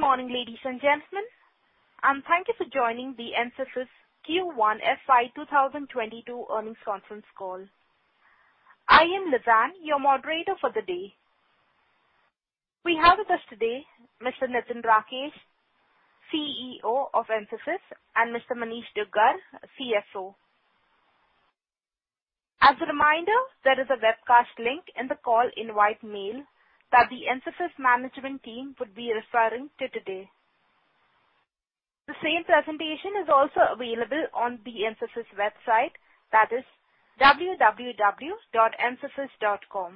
Good morning, ladies and gentlemen, and thank you for joining the Mphasis Q1 FY 2022 earnings conference call. I am Lizanne, your moderator for the day. We have with us today Mr. Nitin Rakesh, CEO of Mphasis, and Mr. Manish Dugar, CFO. As a reminder, there is a webcast link in the call invite mail that the Mphasis management team would be referring to today. The same presentation is also available on the Mphasis website, that is www.mphasis.com,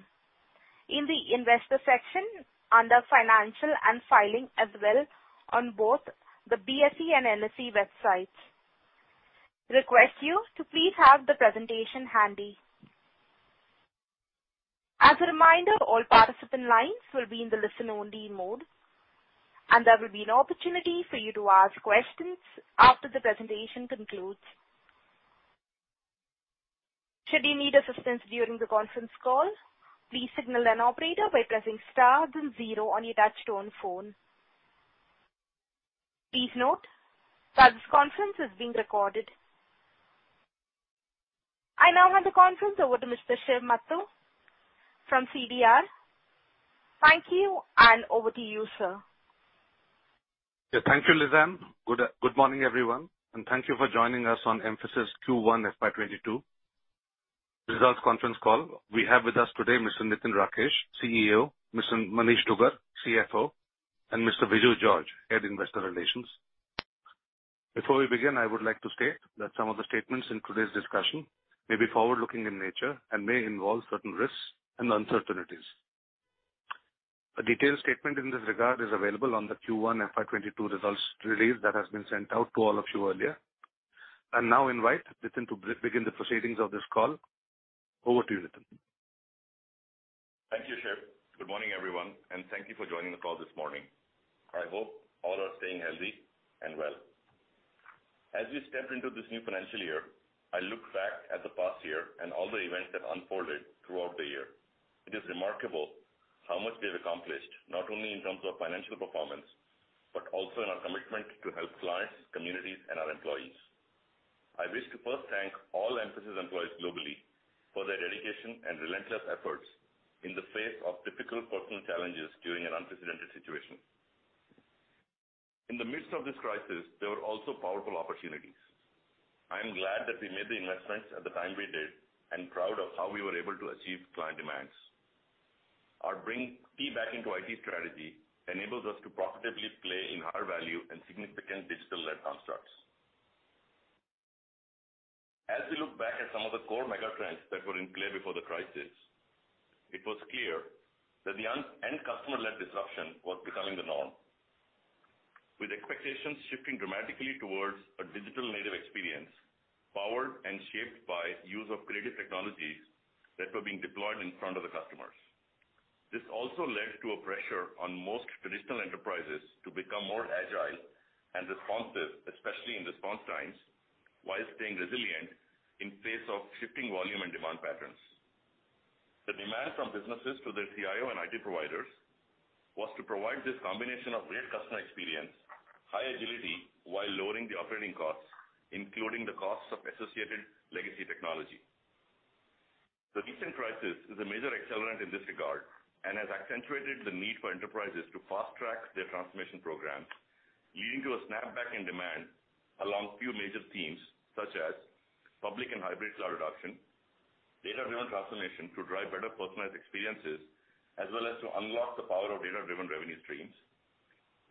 in the investor section under financial and filing as well on both the BSE and NSE websites. Request you to please have the presentation handy. As a reminder, all participant lines will be in the listen only mode, and there will be an opportunity for you to ask questions after the presentation concludes. Please note that this conference is being recorded. I now hand the conference over to Mr. Shiv Muttoo from CDR. Thank you, over to you, sir. Yeah. Thank you, Lizanne. Good morning, everyone, and thank you for joining us on Mphasis Q1 FY 22 results conference call. We have with us today Mr. Nitin Rakesh, CEO, Mr. Manish Dugar, CFO, and Mr. Viju George, Head Investor Relations. Before we begin, I would like to state that some of the statements in today's discussion may be forward-looking in nature and may involve certain risks and uncertainties. A detailed statement in this regard is available on the Q1 FY 22 results release that has been sent out to all of you earlier. I now invite Nitin to begin the proceedings of this call. Over to you, Nitin. Thank you, Shiv. Good morning, everyone, and thank you for joining the call this morning. I hope all are staying healthy and well. As we step into this new financial year, I look back at the past year and all the events that unfolded throughout the year. It is remarkable how much we have accomplished, not only in terms of financial performance, but also in our commitment to help clients, communities, and our employees. I wish to first thank all Mphasis employees globally for their dedication and relentless efforts in the face of difficult personal challenges during an unprecedented situation. In the midst of this crisis, there were also powerful opportunities. I am glad that we made the investments at the time we did and proud of how we were able to achieve client demands. Our bring T back into IT strategy enables us to profitably play in higher value and significant digital-led constructs. As we look back at some of the core mega trends that were in play before the crisis, it was clear that the end customer-led disruption was becoming the norm, with expectations shifting dramatically towards a digital native experience, powered and shaped by use of creative technologies that were being deployed in front of the customers. This also led to a pressure on most traditional enterprises to become more agile and responsive, especially in response times, while staying resilient in face of shifting volume and demand patterns. The demand from businesses to their CIO and IT providers was to provide this combination of great customer experience, high agility, while lowering the operating costs, including the costs of associated legacy technology. The recent crisis is a major accelerant in this regard and has accentuated the need for enterprises to fast-track their transformation programs, leading to a snapback in demand along few major themes such as public and hybrid cloud adoption, data-driven transformation to drive better personalized experiences, as well as to unlock the power of data-driven revenue streams.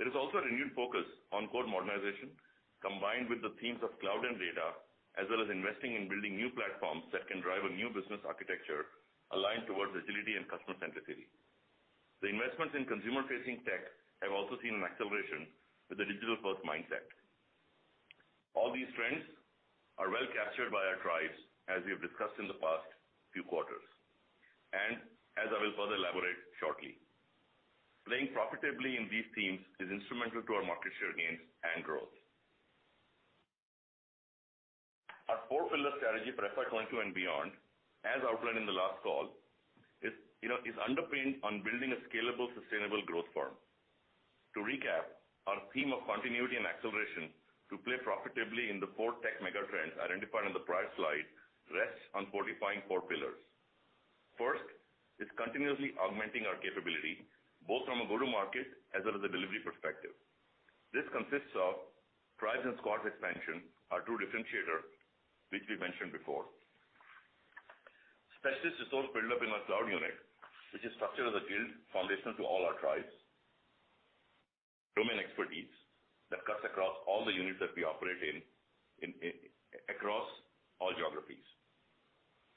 There is also a renewed focus on core modernization, combined with the themes of cloud and data, as well as investing in building new platforms that can drive a new business architecture aligned towards agility and customer centricity. The investments in consumer-facing tech have also seen an acceleration with a digital-first mindset. All these trends are well captured by our tribes as we have discussed in the past few quarters, and as I will further elaborate shortly. Playing profitably in these themes is instrumental to our market share gains and growth. Our four-pillar strategy for FY 22 and beyond, as outlined in the last call, is underpinned on building a scalable, sustainable growth firm. To recap, our theme of continuity and acceleration to play profitably in the four tech mega trends identified on the prior slide rests on fortifying four pillars. First is continuously augmenting our capability both from a go-to-market as well as a delivery perspective. This consists of tribes and squads expansion, our true differentiator, which we mentioned before. Specialist resource build-up in our cloud unit, which is structured as a guild foundational to all our tribes. Domain expertise that cuts across all the units that we operate in, across all geographies.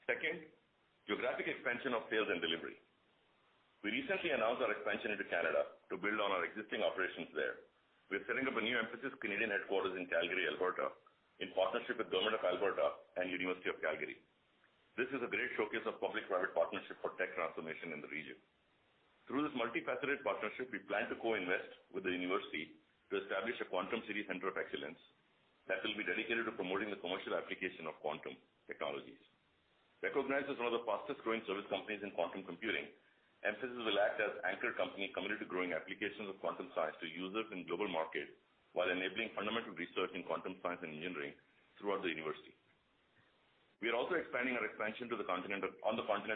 Second, geographic expansion of sales and delivery. We recently announced our expansion into Canada to build on our existing operations there. We are setting up a new Mphasis Canadian headquarters in Calgary, Alberta, in partnership with Government of Alberta and University of Calgary. This is a great showcase of public-private partnership for tech transformation in the region. Through this multifaceted partnership, we plan to co-invest with the university to establish a Quantum City Centre of Excellence that will be dedicated to promoting the commercial application of quantum technologies. Recognized as one of the fastest growing service companies in quantum computing, Mphasis will act as anchor company committed to growing applications of quantum science to users in global market, while enabling fundamental research in quantum science and engineering throughout the university. We are also expanding our expansion on the continent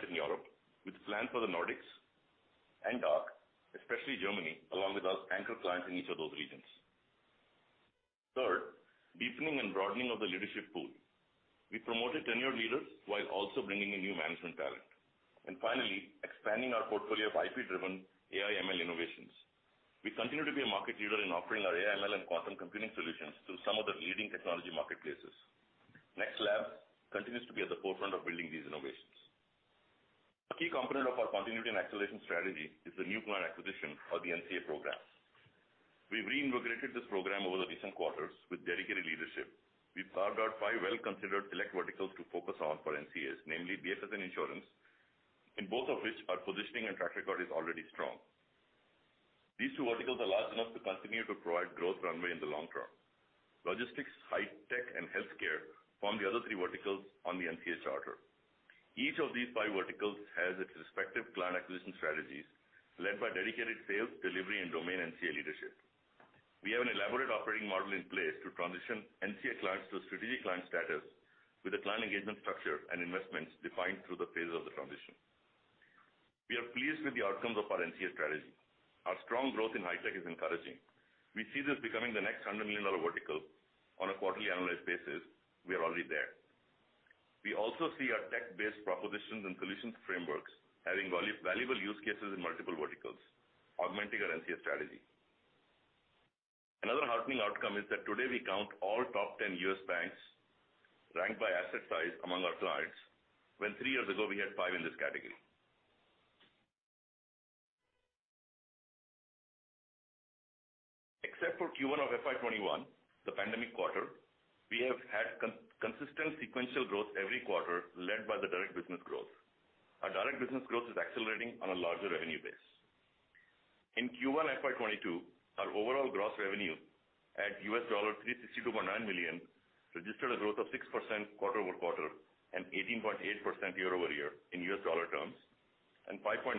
in Europe, with plans for the Nordics and DACH, especially Germany, along with our anchor clients in each of those regions. Third, deepening and broadening of the leadership pool. We promoted tenured leaders while also bringing in new management talent. Finally, expanding our portfolio of IP-driven AI/ML innovations. We continue to be a market leader in offering our AI/ML and quantum computing solutions to some of the leading technology marketplaces. NEXT Labs continues to be at the forefront of building these innovations. A key component of our continuity and acceleration strategy is the new client acquisition of the NCA Program. We reinvigorated this program over the recent quarters with dedicated leadership. We carved out five well-considered select verticals to focus on for NCAs, namely BFSI and insurance, in both of which our positioning and track record is already strong. These two verticals are large enough to continue to provide growth runway in the long term. Logistics, high tech, and healthcare form the other three verticals on the NCA charter. Each of these 5 verticals has its respective client acquisition strategies led by dedicated sales, delivery, and domain NCA leadership. We have an elaborate operating model in place to transition NCA clients to strategic client status with a client engagement structure and investments defined through the phases of the transition. We are pleased with the outcomes of our NCA strategy. Our strong growth in high tech is encouraging. We see this becoming the next $100 million vertical. On a quarterly analyzed basis, we are already there. We also see our tech-based propositions and solutions frameworks having valuable use cases in multiple verticals, augmenting our NCA strategy. Another heartening outcome is that today we count all top 10 U.S. banks ranked by asset size among our clients, when 3 years ago we had 5 in this category. Except for Q1 of FY 21, the pandemic quarter, we have had consistent sequential growth every quarter led by the Direct business growth. Our Direct business growth is accelerating on a larger revenue base. In Q1 FY 22, our overall gross revenue at $362.9 million registered a growth of 6% quarter-over-quarter and 18.8% year-over-year in US dollar terms, and 5.9%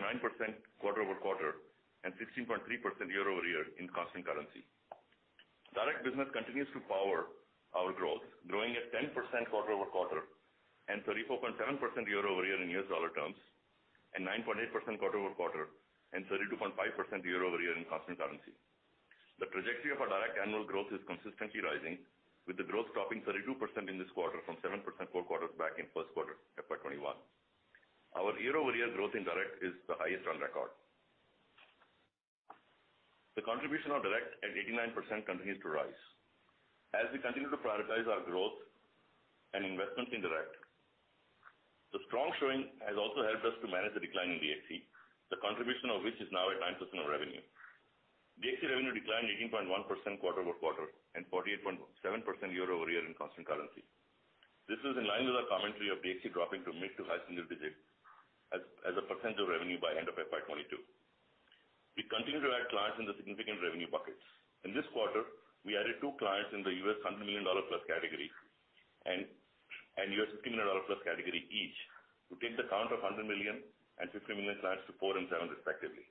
quarter-over-quarter and 16.3% year-over-year in constant currency. Direct business continues to power our growth, growing at 10% quarter-over-quarter and 34.7% year-over-year in US dollar terms, and 9.8% quarter-over-quarter and 32.5% year-over-year in constant currency. The trajectory of our Direct annual growth is consistently rising, with the growth topping 32% in this quarter from 7% four quarters back in first quarter FY 21. Our year-over-year growth in Direct is the highest on record. The contribution of Direct at 89% continues to rise. As we continue to prioritize our growth and investment in Direct, the strong showing has also helped us to manage the decline in DXC, the contribution of which is now at 9% of revenue. DXC revenue declined 18.1% quarter-over-quarter and 48.7% year-over-year in constant currency. This is in line with our commentary of DXC dropping to mid to high single digits as a percentage of revenue by end of FY 22. We continue to add clients in the significant revenue buckets. In this quarter, we added two clients in the U.S. $100 million-plus category and U.S. $50 million-plus category each, to take the count of $100 million and $50 million clients to four and seven respectively.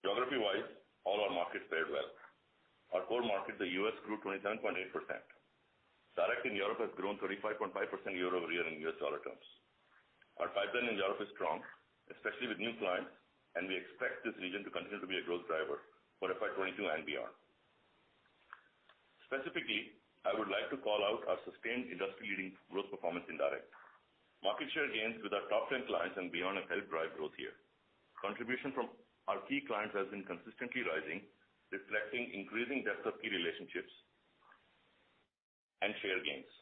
Geography-wise, all our markets fared well. Our core market, the U.S., grew 27.8%. Direct in Europe has grown 35.5% year-over-year in U.S. dollar terms. Our pipeline in Europe is strong, especially with new clients. We expect this region to continue to be a growth driver for FY 2022 and beyond. Specifically, I would like to call out our sustained industry-leading growth performance in Direct. Market share gains with our top 10 clients and beyond have helped drive growth here. Contribution from our key clients has been consistently rising, reflecting increasing depth of key relationships and share gains.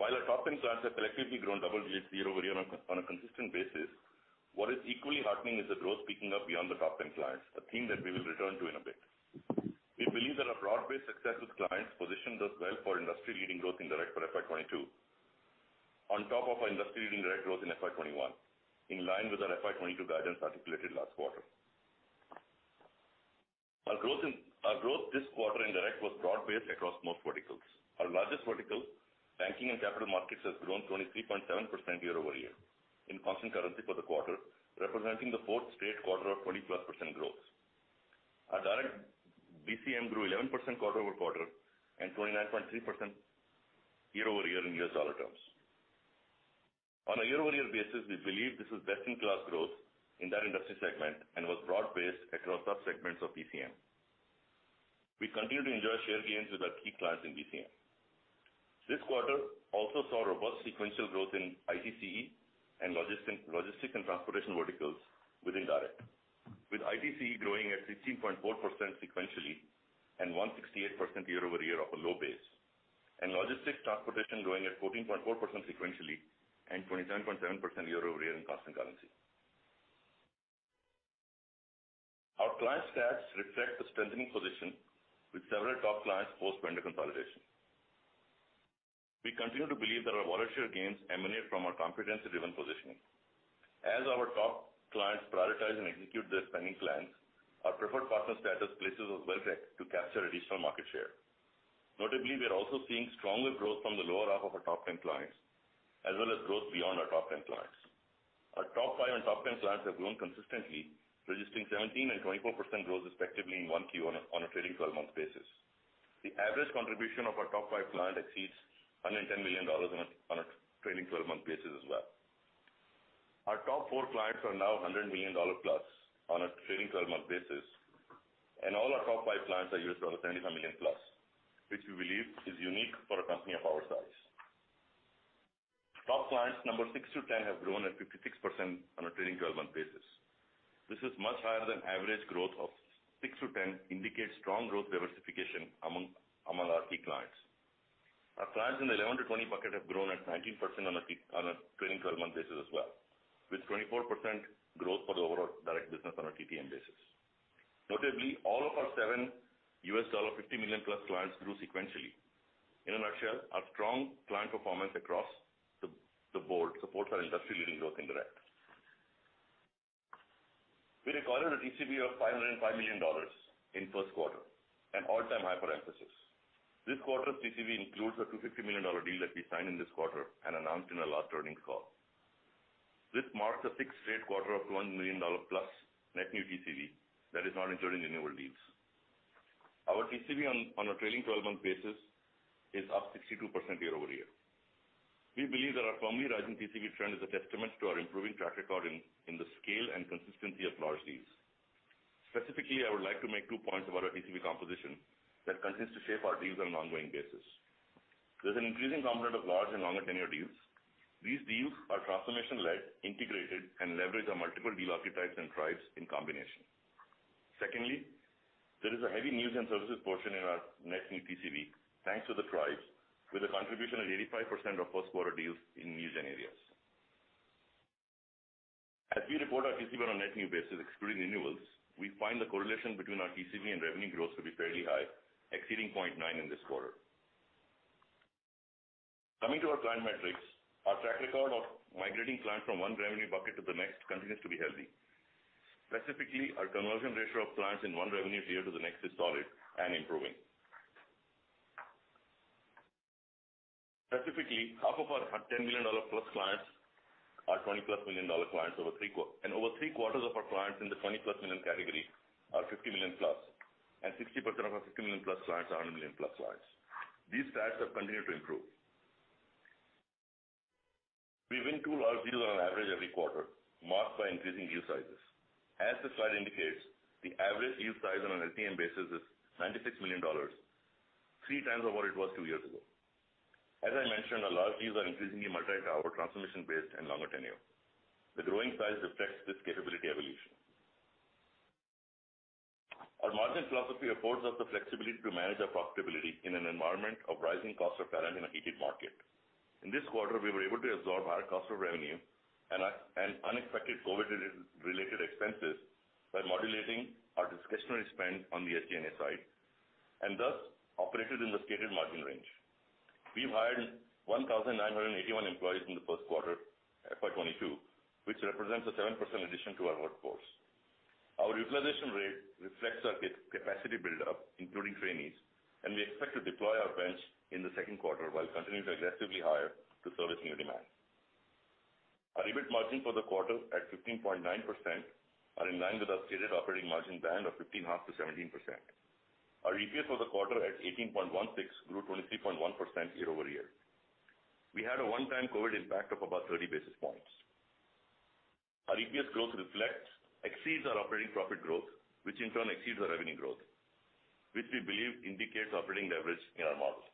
While our top 10 clients have collectively grown double digits year-over-year on a consistent basis, what is equally heartening is the growth picking up beyond the top 10 clients, a theme that we will return to in a bit. We believe that our broad-based success with clients positions us well for industry-leading growth in Direct for FY 2022. On top of our industry-leading Direct growth in FY 21, in line with our FY 22 guidance articulated last quarter. Our growth this quarter in Direct was broad-based across most verticals. Our largest vertical, Banking and Capital Markets, has grown 23.7% year-over-year in constant currency for the quarter, representing the fourth straight quarter of 20%+ growth. Our Direct BCM grew 11% quarter-over-quarter and 29.3% year-over-year in US dollar terms. On a year-over-year basis, we believe this is best-in-class growth in that industry segment and was broad-based across sub-segments of BCM. We continue to enjoy share gains with our key clients in BCM. This quarter also saw robust sequential growth in ITCE and logistic and transportation verticals within Direct, with ITCE growing at 16.4% sequentially and 168% year-over-year off a low base, and logistic transportation growing at 14.4% sequentially and 27.7% year-over-year in constant currency. Our client stats reflect the strengthening position with several top clients post vendor consolidation. We continue to believe that our market share gains emanate from our competency-driven positioning. As our top clients prioritize and execute their spending plans, our preferred partner status places us well to capture additional market share. Notably, we are also seeing stronger growth from the lower half of our top 10 clients, as well as growth beyond our top 10 clients. Our top 5 and top 10 clients have grown consistently, registering 17% and 24% growth respectively in 1Q on a trailing 12-month basis. The average contribution of our top five clients exceeds $110 million on a trailing 12-month basis as well. Our top four clients are now $100 million plus on a trailing 12-month basis, and all our top five clients are US dollar $75 million plus, which we believe is unique for a company of our size. Top clients number six to ten have grown at 56% on a trailing 12-month basis. This is much higher than average growth of six to ten, indicates strong growth diversification among our key clients. Our clients in the 11-20 bucket have grown at 19% on a trailing 12-month basis as well. With 24% growth for the overall Direct business on a TTM basis. Notably, all of our seven US dollar $50 million plus clients grew sequentially. In a nutshell, our strong client performance across the board supports our industry-leading growth in Direct. We recorded a TCV of $505 million in first quarter, an all-time high for Mphasis. This quarter's TCV includes an $250 million deal that we signed in this quarter and announced in our last earnings call. This marks the sixth straight quarter of $1 million plus net new TCV that is not including renewable deals. Our TCV on a trailing 12-month basis is up 62% year-over-year. We believe that our firmly rising TCV trend is a testament to our improving track record in the scale and consistency of large deals. Specifically, I would like to make two points about our TCV composition that continues to shape our deals on an ongoing basis. There's an increasing component of large and longer tenure deals. These deals are transformation-led, integrated, and leverage our multiple deal archetypes and tribes in combination. Secondly, there is a heavy news and services portion in our net new TCV, thanks to the tribes, with a contribution of 85% of first quarter deals in news and areas. As we report our TCV on net new basis excluding renewals, we find the correlation between our TCV and revenue growth to be fairly high, exceeding 0.9 in this quarter. Coming to our client metrics, our track record of migrating clients from one revenue bucket to the next continues to be healthy. Specifically, our conversion ratio of clients in one revenue tier to the next is solid and improving. Specifically, half of our $10 million plus clients are $20-plus million clients, and over three quarters of our clients in the $20-plus million category are $50 million plus, and 60% of our $50 million plus clients are $100 million plus clients. These stats have continued to improve. We win two large deals on an average every quarter, marked by increasing deal sizes. As the slide indicates, the average deal size on an NTM basis is $96 million, three times of what it was two years ago. As I mentioned, our large deals are increasingly multi-tower, transformation-based, and longer tenure. The growing size reflects this capability evolution. Our margin philosophy affords us the flexibility to manage our profitability in an environment of rising cost of talent in a heated market. In this quarter, we were able to absorb higher cost of revenue and unexpected COVID-related expenses by modulating our discretionary spend on the SG&A side, and thus operated in the stated margin range. We've hired 1,981 employees in the first quarter, FY 2022, which represents a 7% addition to our workforce. Our utilization rate reflects our capacity build-up, including trainees, and we expect to deploy our bench in the second quarter while continuing to aggressively hire to service new demand. Our EBIT margin for the quarter at 15.9% are in line with our stated operating margin band of 15.5%-17%. Our EPS for the quarter at 18.16 grew 23.1% year-over-year. We had a one-time COVID impact of about 30 basis points. Our EPS growth exceeds our operating profit growth, which in turn exceeds our revenue growth, which we believe indicates operating leverage in our model.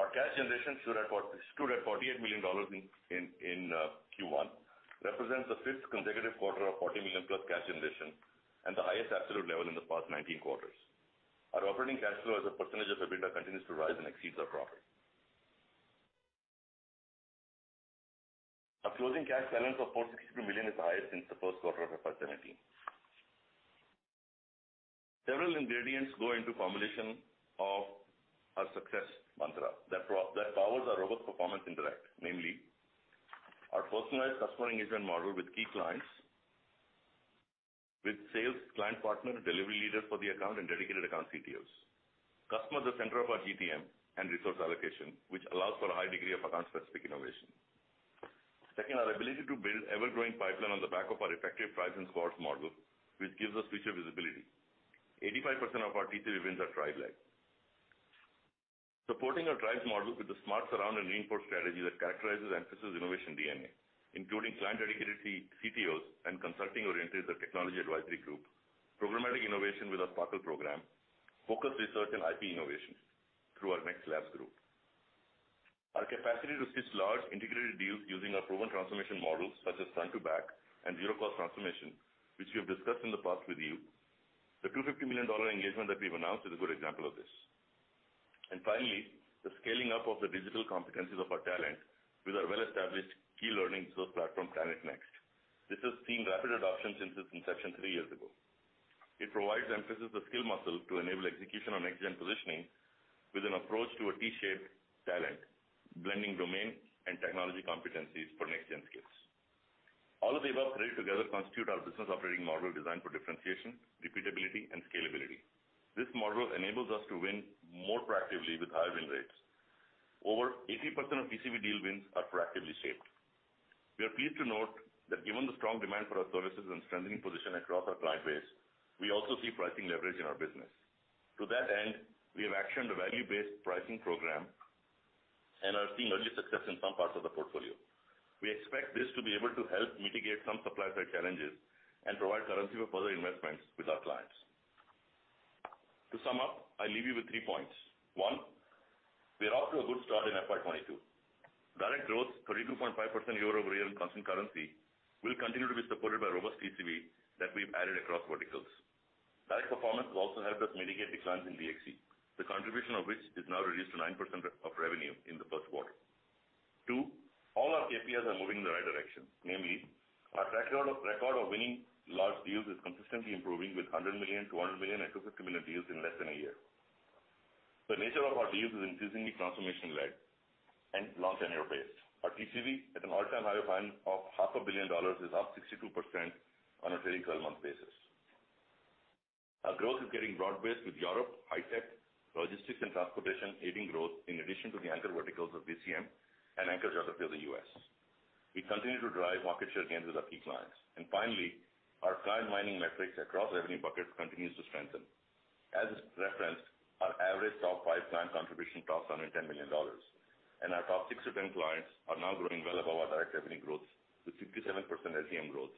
Our cash generation stood at $48 million in Q1, represents the fifth consecutive quarter of $40 million plus cash generation, and the highest absolute level in the past 19 quarters. Our operating cash flow as a % of EBITDA continues to rise and exceeds our profit. Our closing cash balance of $462 million is highest since the first quarter of FY 2017. Several ingredients go into combination of our success mantra that powers our robust performance in Direct. Namely, our personalized customer engagement model with key clients, with sales, client partner, delivery leaders for the account, and dedicated account CTOs. Customers are center of our GTM and resource allocation, which allows for a high degree of account-specific innovation. Second, our ability to build ever-growing pipeline on the back of our effective price and squads model, which gives us future visibility. 85% of our TCV wins are tribe-led. Supporting our tribes model with a smart surround and reinforce strategy that characterizes Mphasis' innovation DNA, including client-dedicated CTOs and consulting-oriented technology advisory group, programmatic innovation with our Sparkle program, focused research and IP innovation through our NEXT Labs group. Our capacity to pitch large integrated deals using our proven transformation models, such as front-to-back and zero-cost transformation, which we have discussed in the past with you. The $250 million engagement that we've announced is a good example of this. Finally, the scaling up of the digital competencies of our talent with our well-established key learning resource platform, TalentNext. This has seen rapid adoption since its inception three years ago. It provides Mphasis the skill muscle to enable execution on next-gen positioning with an approach to a T-shaped talent, blending domain and technology competencies for next-gen skills. All of the above, together, constitute our business operating model designed for differentiation, repeatability, and scalability. This model enables us to win more proactively with higher win rates. Over 80% of TCV deal wins are proactively shaped. We are pleased to note that given the strong demand for our services and strengthening position across our client base, we also see pricing leverage in our business. To that end, we have actioned a value-based pricing program and are seeing early success in some parts of the portfolio. We expect this to be able to help mitigate some supply-side challenges and provide currency for further investments with our clients. To sum up, I leave you with three points. one, we are off to a good start in FY 22. Direct growth 32.5% year-over-year in constant currency will continue to be supported by robust TCV that we've added across verticals. Direct performance will also help us mitigate declines in DXC, the contribution of which is now reduced to 9% of revenue in the first quarter. Two, all our KPIs are moving in the right direction. Namely, our record of winning large deals is consistently improving with $100 million, $200 million, and $250 million deals in less than a year. The nature of our deals is increasingly transformation-led and long tenure-based. Our TCV, at an all-time high of half a billion dollars, is up 62% on a trailing 12-month basis. Our growth is getting broad-based with Europe, high-tech, logistics, and transportation aiding growth in addition to the anchor verticals of BCM and anchors other fields in the U.S. We continue to drive market share gains with our key clients. Finally, our client mining metrics across revenue buckets continues to strengthen. As referenced, our average top 5 client contribution tops $110 million, and our top 6-10 clients are now growing well above our Direct revenue growth with 57% HCM growth.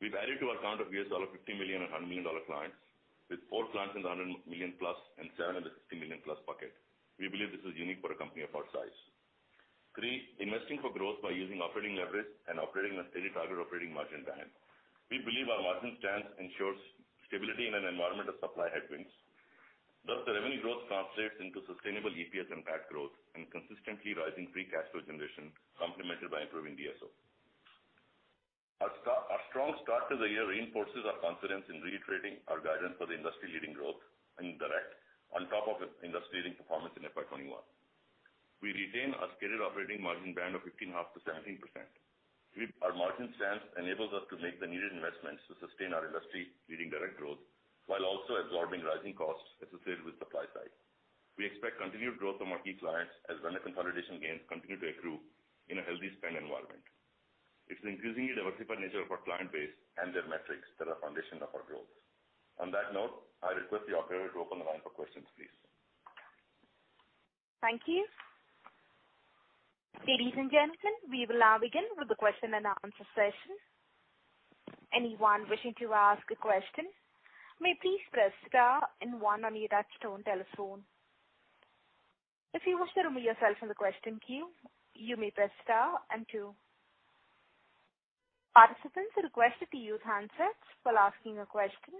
We've added to our count of $50 million and $100 million clients, with four clients in the $100 million+ and seven in the $50 million+ bucket. We believe this is unique for a company of our size. 3, investing for growth by using operating leverage and operating a steady target operating margin band. We believe our margin stance ensures stability in an environment of supply headwinds. The revenue growth translates into sustainable EPS impact growth and consistently rising free cash flow generation complemented by improving DSO. Our strong start to the year reinforces our confidence in reiterating our guidance for the industry-leading growth in Direct on top of industry-leading performance in FY 21. We retain our stated operating margin band of 15.5%-17%. Our margin stance enables us to make the needed investments to sustain our industry-leading Direct growth while also absorbing rising costs associated with supply side. We expect continued growth from our key clients as vendor consolidation gains continue to accrue in a healthy spend environment. It's the increasingly diversified nature of our client base and their metrics that are foundation of our growth. On that note, I request the operator to open the line for questions, please. Thank you. Ladies and gentlemen we would now begin with the question and answer section, anyone wishing to ask a question may please press star and one on your touch tone telephone. If you wish to remove yourself from the question queue you may press star and two. Participants are requested to use handset for asking a question.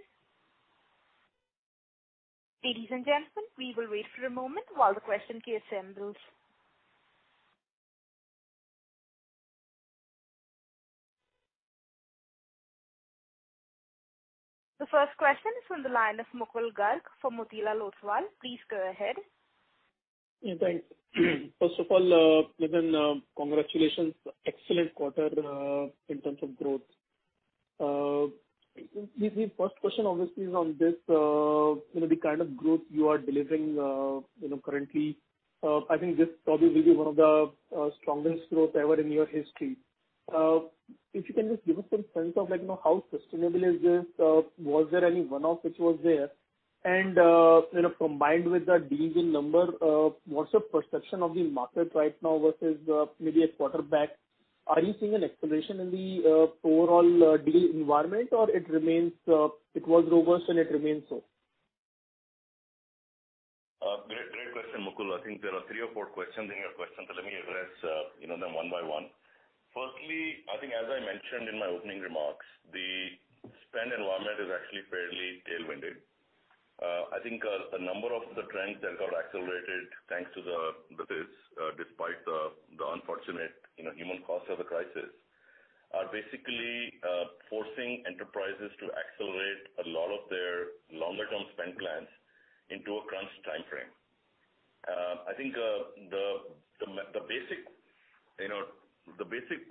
Ladies and gentlemen we would wait for a moment while the question queue assembles. The first question is from the line of Mukul Garg from Motilal Oswal. Please go ahead. Yeah, thanks. First of all, congratulations. Excellent quarter in terms of growth. The first question obviously is on the kind of growth you are delivering currently. I think this probably will be one of the strongest growth ever in your history. If you can just give us some sense of how sustainable is this? Was there any one-off which was there? Combined with the deal win number, what's your perception of the market right now versus maybe a quarter back? Are you seeing an acceleration in the overall deal environment or it was robust and it remains so? Great question, Mukul. I think there are three or four questions in your question. Let me address them one by one. Firstly, I think as I mentioned in my opening remarks, the spend environment is actually fairly tailwinded. I think a number of the trends that got accelerated thanks to this, despite the unfortunate human cost of the crisis, are basically forcing enterprises to accelerate a lot of their longer-term spend plans into a crunch timeframe. I think the basic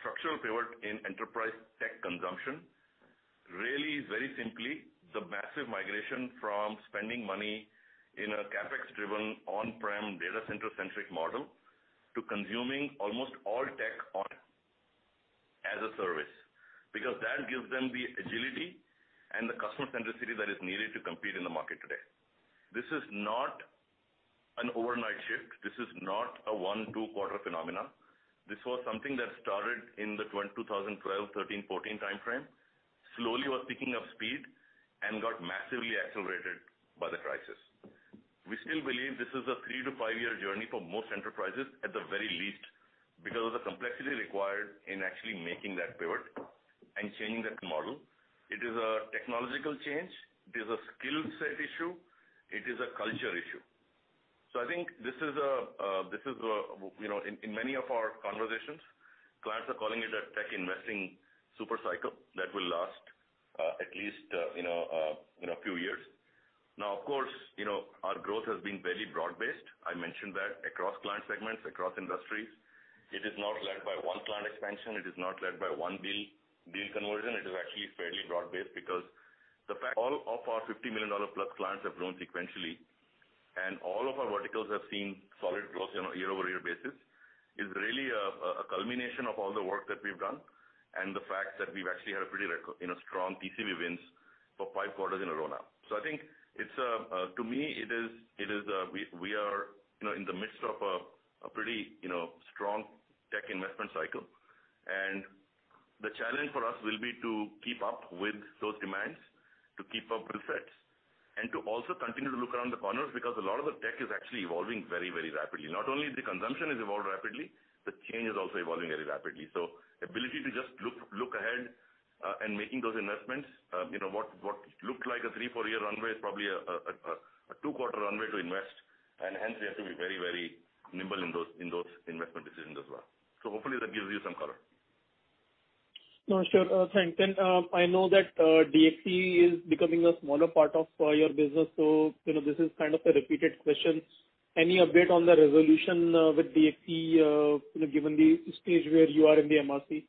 structural pivot in enterprise tech consumption really is very simply the massive migration from spending money in a CapEx-driven, on-prem, data center-centric model to consuming almost all tech as a service. That gives them the agility and the customer centricity that is needed to compete in the market today. This is not an overnight shift. This is not a one, two-quarter phenomenon. This was something that started in the 2012, '13, '14 timeframe. Slowly was picking up speed and got massively accelerated by the crisis. We still believe this is a three to five-year journey for most enterprises, at the very least, because of the complexity required in actually making that pivot and changing that model. It is a technological change. It is a skill set issue. It is a culture issue. I think in many of our conversations, clients are calling it a tech investing super cycle that will last at least a few years. Of course, our growth has been very broad-based. I mentioned that across client segments, across industries. It is not led by one client expansion. It is not led by one deal conversion. It is actually fairly broad-based because the fact all of our 50 million+ clients have grown sequentially and all of our verticals have seen solid growth on a year-over-year basis is really a culmination of all the work that we've done and the fact that we've actually had a pretty strong TCV wins for five quarters in a row now. I think to me, we are in the midst of a pretty strong tech investment cycle. The challenge for us will be to keep up with those demands, to keep up with sets, and to also continue to look around the corners because a lot of the tech is actually evolving very rapidly. Not only the consumption has evolved rapidly, the change is also evolving very rapidly. Ability to just look ahead and making those investments. What looked like a three, four year runway is probably a two quarter runway to invest, and hence we have to be very nimble in those investment decisions as well. Hopefully that gives you some color. No, sure. Thanks. I know that DXC is becoming a smaller part of your business, so this is kind of a repeated question. Any update on the resolution with DXC given the stage where you are in the MRC?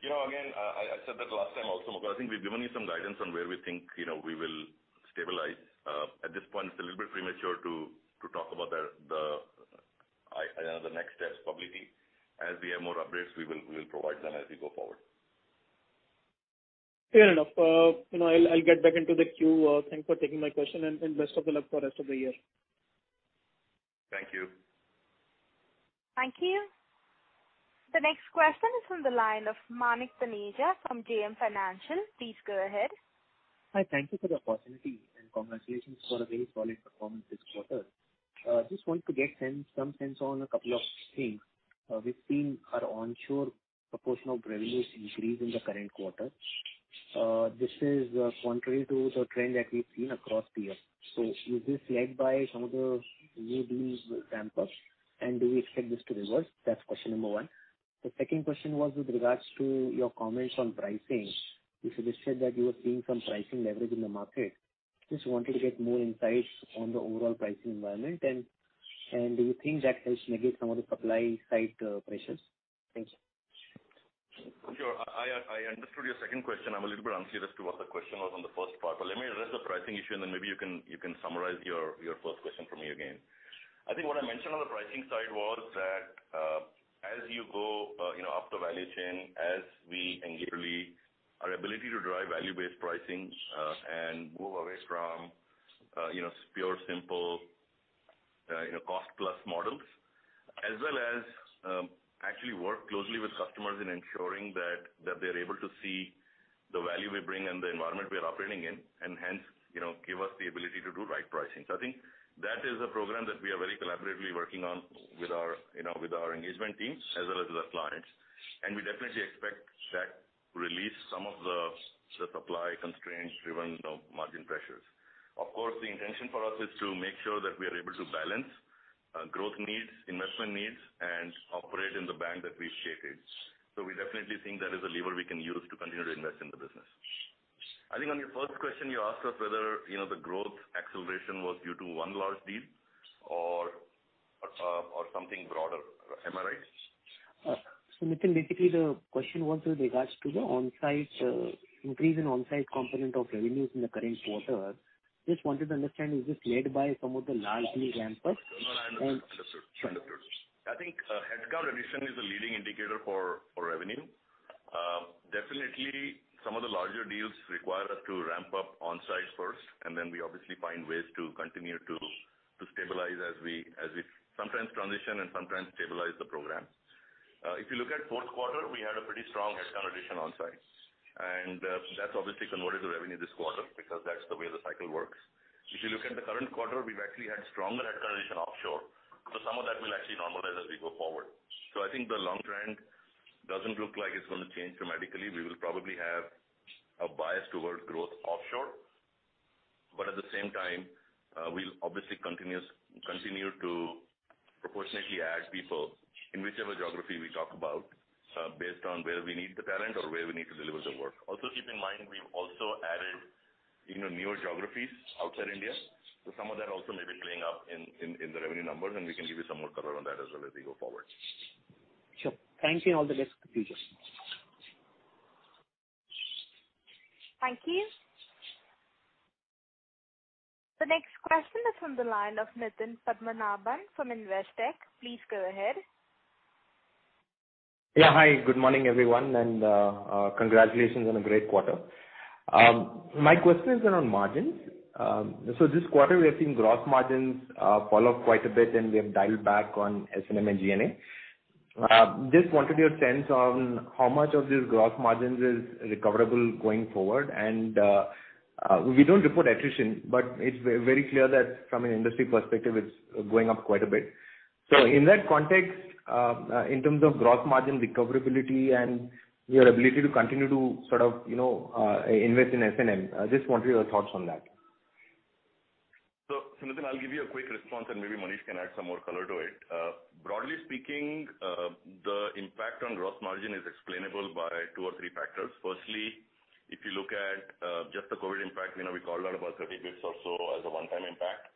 I said that the last time also. I think we've given you some guidance on where we think we will stabilize. At this point, it's a little bit premature to talk about the next steps publicly. As we have more updates, we will provide them as we go forward. Fair enough. I'll get back into the queue. Thanks for taking my question and best of luck for rest of the year. Thank you. Thank you. The next question is from the line of Manik Taneja from JM Financial. Please go ahead. Hi. Thank you for the opportunity and congratulations for a very solid performance this quarter. Just want to get some sense on a couple of things. We've seen our onshore proportion of revenues increase in the current quarter. This is contrary to the trend that we've seen across the years. Is this led by some of the new deals ramp-ups, and do we expect this to reverse? That's question number one. The second question was with regards to your comments on pricing. You suggested that you were seeing some pricing leverage in the market. Wanted to get more insights on the overall pricing environment and do you think that helps negate some of the supply-side pressures? Thanks. Sure. I understood your second question. I'm a little bit unclear as to what the question was on the first part. Let me address the pricing issue, and then maybe you can summarize your first question for me again. I think what I mentioned on the pricing side was that as you go up the value chain, as we engage really our ability to drive value-based pricing and move away from pure, simple cost-plus models. As well as actually work closely with customers in ensuring that they're able to see the value we bring and the environment we are operating in, and hence give us the ability to do right pricing. I think that is a program that we are very collaboratively working on with our engagement teams as well as with our clients. We definitely expect that to release some of the supply constraints driven margin pressures. Of course, the intention for us is to make sure that we are able to balance growth needs, investment needs, and operate in the band that we shape it. We definitely think that is a lever we can use to continue to invest in the business. I think on your first question, you asked us whether the growth acceleration was due to one large deal or something broader. Am I right? Nitin, basically the question was with regards to the increase in on-site component of revenues in the current quarter. Just wanted to understand, is this led by some of the large deal ramp-ups? No, I understood. I think headcount addition is a leading indicator for revenue. Definitely some of the larger deals require us to ramp up on-site first. We obviously find ways to continue to stabilize as we sometimes transition and sometimes stabilize the program. If you look at fourth quarter, we had a pretty strong headcount addition on-site. That's obviously converted to revenue this quarter because that's the way the cycle works. If you look at the current quarter, we've actually had stronger headcount addition offshore. Some of that will actually normalize as we go forward. I think the long trend doesn't look like it's going to change dramatically. We will probably have a bias towards growth offshore. At the same time, we'll obviously continue to proportionately add people in whichever geography we talk about based on where we need the talent or where we need to deliver the work. Also keep in mind, we've also added newer geographies outside India. Some of that also may be playing up in the revenue numbers, and we can give you some more color on that as well as we go forward. Sure. Thank you. All the best for the future. Thank you. The next question is from the line of Nitin Padmanabhan from Investec. Please go ahead. Yeah. Hi, good morning, everyone, and congratulations on a great quarter. My questions are on margins. This quarter, we have seen gross margins fall off quite a bit, and we have dialed back on S&M and G&A. I just wanted your sense on how much of this gross margins is recoverable going forward. We don't report attrition, but it's very clear that from an industry perspective, it's going up quite a bit. In that context, in terms of gross margin recoverability and your ability to continue to invest in S&M, I just wanted your thoughts on that. Nitin, I'll give you a quick response and maybe Manish can add some more color to it. Broadly speaking, the impact on gross margin is explainable by two or three factors. Firstly, if you look at just the COVID impact, we called out about 30 basis or so as a one-time impact.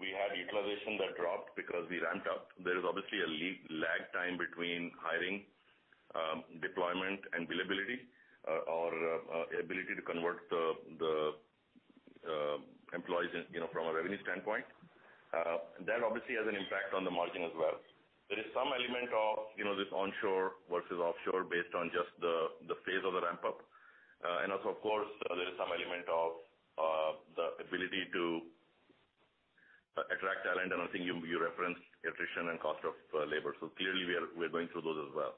We had utilization that dropped because we ramped up. There is obviously a lag time between hiring, deployment, and billability or ability to convert the employees from a revenue standpoint. That obviously has an impact on the margin as well. There is some element of this onshore versus offshore based on just the phase of the ramp-up. Of course, there is some element of the ability to attract talent, and I think you referenced attrition and cost of labor. Clearly, we are going through those as well.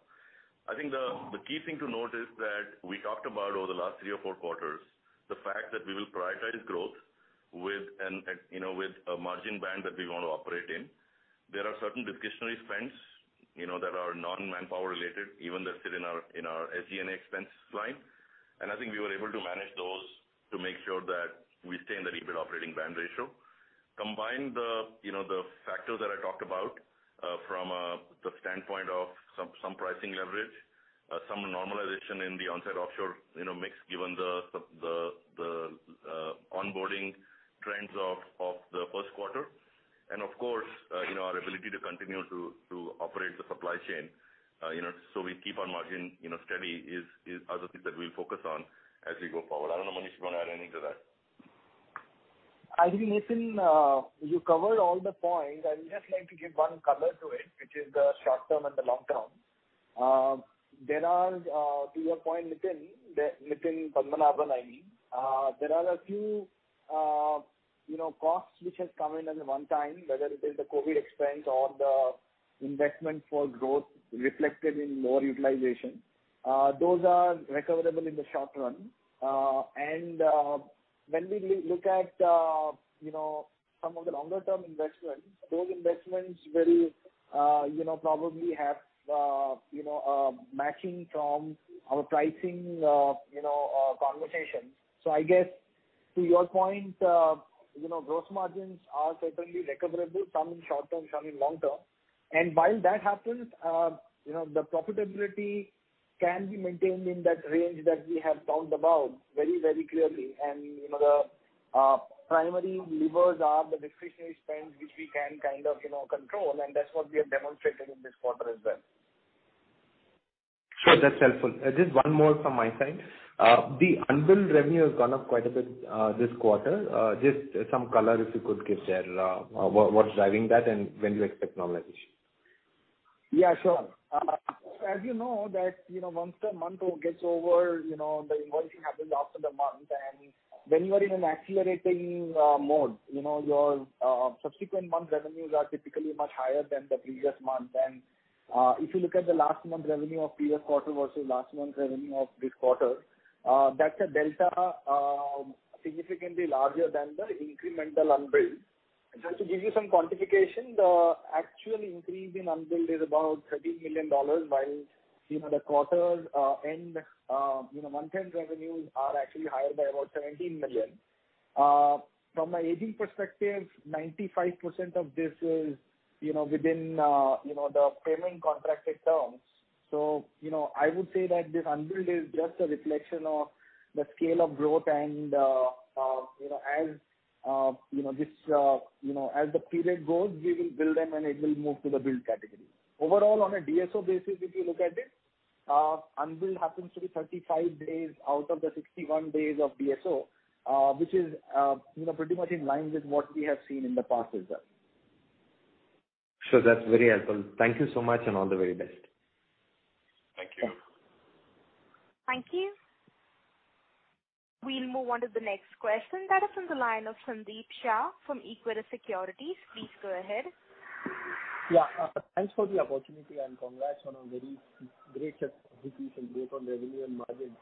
I think the key thing to note is that we talked about over the last three or four quarters, the fact that we will prioritize growth with a margin band that we want to operate in. There are certain discretionary spends that are non-manpower related, even though they sit in our SG&A expense line. I think we were able to manage those to make sure that we stay in the EBIT operating band ratio. Combine the factors that I talked about from the standpoint of some pricing leverage, some normalization in the onsite offshore mix given the onboarding trends of the first quarter. Of course, our ability to continue to operate the supply chain so we keep our margin steady are the things that we'll focus on as we go forward. I don't know, Manish, if you want to add anything to that. I think, Nitin, you covered all the points. I would just like to give one color to it, which is the short term and the long term. To your point, Nitin Padmanabhan, I mean, there are a few costs which have come in as a one-time, whether it is the COVID expense or the investment for growth reflected in lower utilization. Those are recoverable in the short run. When we look at some of the longer-term investments, those investments very probably have matching from our pricing conversation. I guess to your point, gross margins are certainly recoverable, some in short term, some in long term. While that happens, the profitability can be maintained in that range that we have talked about very clearly. The primary levers are the discretionary spends, which we can kind of control, and that's what we have demonstrated in this quarter as well. Sure. That's helpful. Just one more from my side. The unbilled revenue has gone up quite a bit this quarter. Just some color, if you could give there, what's driving that and when do you expect normalization? Yeah, sure. As you know that once the month gets over, the invoicing happens after the month. When you are in an accelerating mode, your subsequent month revenues are typically much higher than the previous month. If you look at the last month revenue of previous quarter versus last month revenue of this quarter, that's a delta significantly larger than the incremental unbilled. Just to give you some quantification, the actual increase in unbilled is about $13 million, while the quarter's end month-end revenues are actually higher by about $17 million. From an AR perspective, 95% of this is within the payment contracted terms. I would say that this unbilled is just a reflection of the scale of growth and as the period goes, we will bill them, and it will move to the billed category. Overall, on a DSO basis, if you look at it, unbilled happens to be 35 days out of the 61 days of DSO, which is pretty much in line with what we have seen in the past as well. Sure. That's very helpful. Thank you so much. All the very best. Thank you. Thank you. We'll move on to the next question. That is on the line of Sandeep Shah from Equirus Securities. Please go ahead. Yeah. Thanks for the opportunity, and congrats on a very great execution, great on revenue and margin.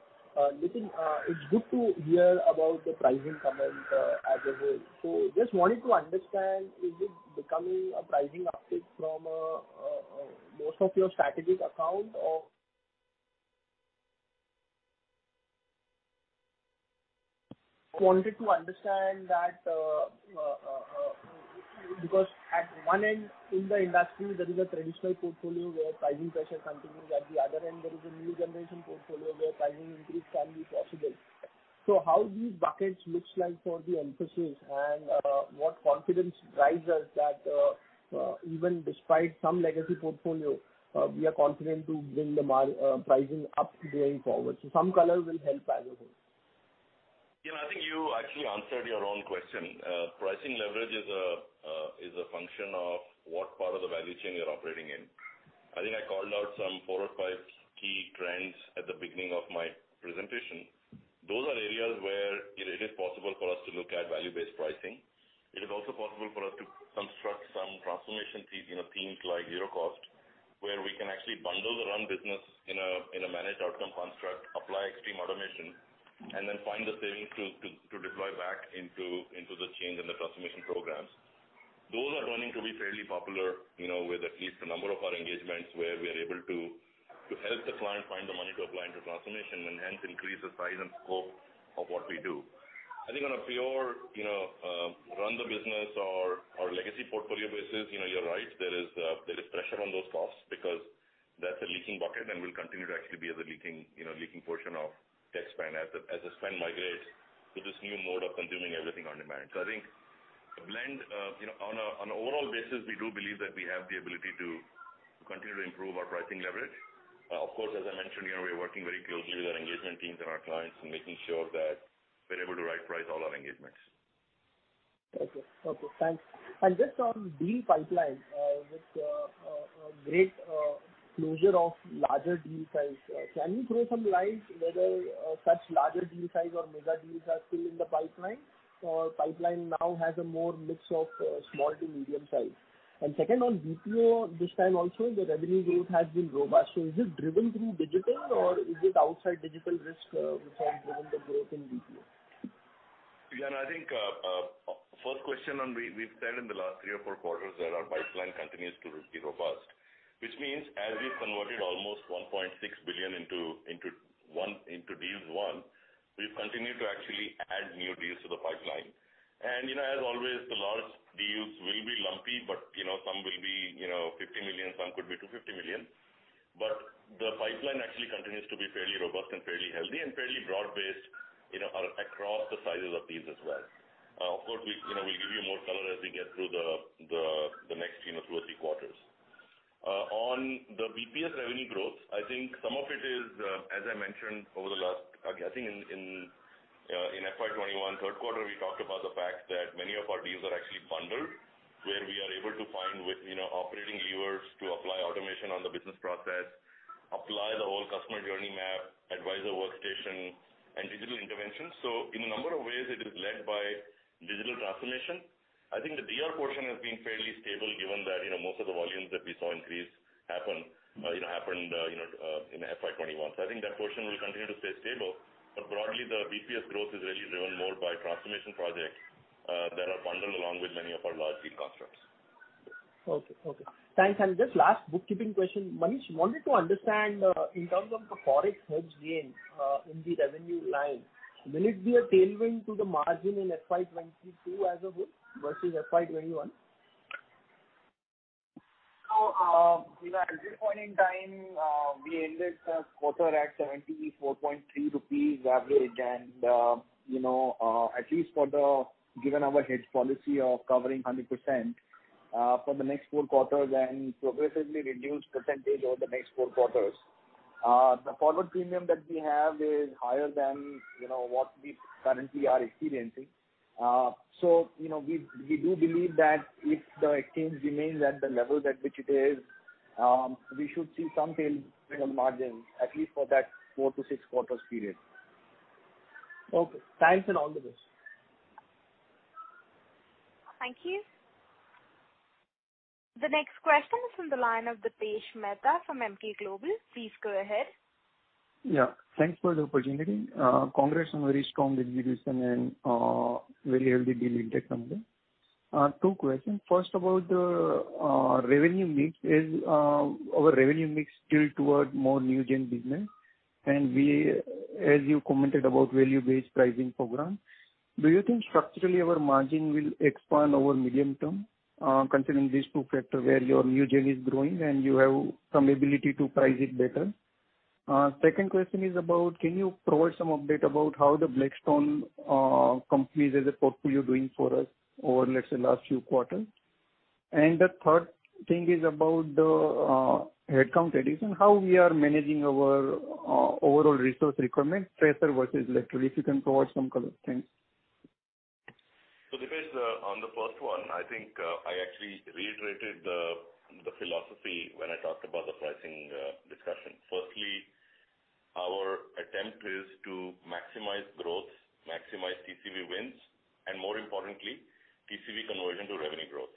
Nitin, it's good to hear about the pricing comment as a whole. Just wanted to understand, is it becoming a pricing uptick from most of your strategic accounts or wanted to understand that, because at one end in the industry, there is a traditional portfolio where pricing pressure continues. At the other end, there is a new generation portfolio where pricing increase can be possible. How these buckets looks like for the Mphasis and what confidence drives us that even despite some legacy portfolio, we are confident to bring the pricing up going forward. Some color will help as a whole. I think you actually answered your own question. Pricing leverage is a function of what part of the value chain you're operating in. I think I called out some four or five key trends at the beginning of my presentation. Those are areas where it is possible for us to look at value-based pricing. It is also possible for us to construct some transformation themes like zero cost, where we can actually bundle the run business in a managed outcome construct, apply extreme automation, and then find the savings to deploy back into the change and the transformation programs. Those are going to be fairly popular with at least a number of our engagements, where we are able to help the client find the money to apply into transformation, and hence increase the size and scope of what we do. I think on a pure run the business or legacy portfolio basis, you're right, there is pressure on those costs because that's a leaking bucket and will continue to actually be as a leaking portion of tech spend, as the spend migrates to this new mode of consuming everything on demand. I think a blend. On an overall basis, we do believe that we have the ability to continue to improve our pricing leverage. Of course, as I mentioned, we are working very closely with our engagement teams and our clients in making sure that we're able to right-price all our engagements. Okay. Thanks. Just on deal pipeline, with a great closure of larger deal size, can you throw some light whether such larger deal size or mega deals are still in the pipeline, or pipeline now has a more mix of small to medium size? Second, on BPO this time also, the revenue growth has been robust. Is this driven through digital or is it outside digital risk which has driven the growth in BPO? [Sandeep], I think first question, we've said in the last three or four quarters that our pipeline continues to be robust. Which means as we've converted almost $1.6 billion into deals won, we've continued to actually add new deals to the pipeline. As always, the large deals will be lumpy, but some will be $50 million, some could be $250 million. The pipeline actually continues to be fairly robust and fairly healthy and fairly broad-based across the sizes of deals as well. Of course, we'll give you more color as we get through the next two or three quarters. On the BPS revenue growth, I think some of it is, as I mentioned in FY 2021 third quarter, we talked about the fact that many of our deals are actually bundled, where we are able to find with operating levers to apply automation on the business process, apply the whole customer journey map, advisor workstation, and digital intervention. In a number of ways, it is led by digital transformation. I think the DR portion has been fairly stable given that most of the volumes that we saw increase happened in FY 2021. I think that portion will continue to stay stable. Broadly, the BPS growth is really driven more by transformation projects that are bundled along with many of our large deal constructs. Okay. Thanks. Just last bookkeeping question. Manish, wanted to understand in terms of the ForEx hedge gain in the revenue line, will it be a tailwind to the margin in FY 22 as a whole versus FY 21? At this point in time, we ended the quarter at 74.3 rupees average. At least given our hedge policy of covering 100% for the next four quarters and progressively reduce percentage over the next four quarters. The forward premium that we have is higher than what we currently are experiencing. We do believe that if the exchange remains at the level at which it is, we should see some tailwind on margins at least for that four to six quarters period. Okay. Thanks and all the best. Thank you. The next question is from the line of Dipesh Mehta from Emkay Global. Please go ahead. Thanks for the opportunity. Congrats on very strong distribution and very healthy deal intake from there. Two questions. First about the revenue mix. Is our revenue mix still toward more new-gen business? As you commented about value-based pricing program, do you think structurally our margin will expand over medium-term considering these two factors where your new-gen is growing and you have some ability to price it better? Second question is about can you provide some update about how the Blackstone companies as a portfolio doing for us over, let's say, last few quarters? The third thing is about the headcount addition. How we are managing our overall resource requirement, fresher versus lateral, if you can provide some color, thanks. Dipesh, on the first one, I think I actually reiterated the philosophy when I talked about the pricing discussion. Firstly, our attempt is to maximize growth, maximize TCV wins, and more importantly, TCV conversion to revenue growth.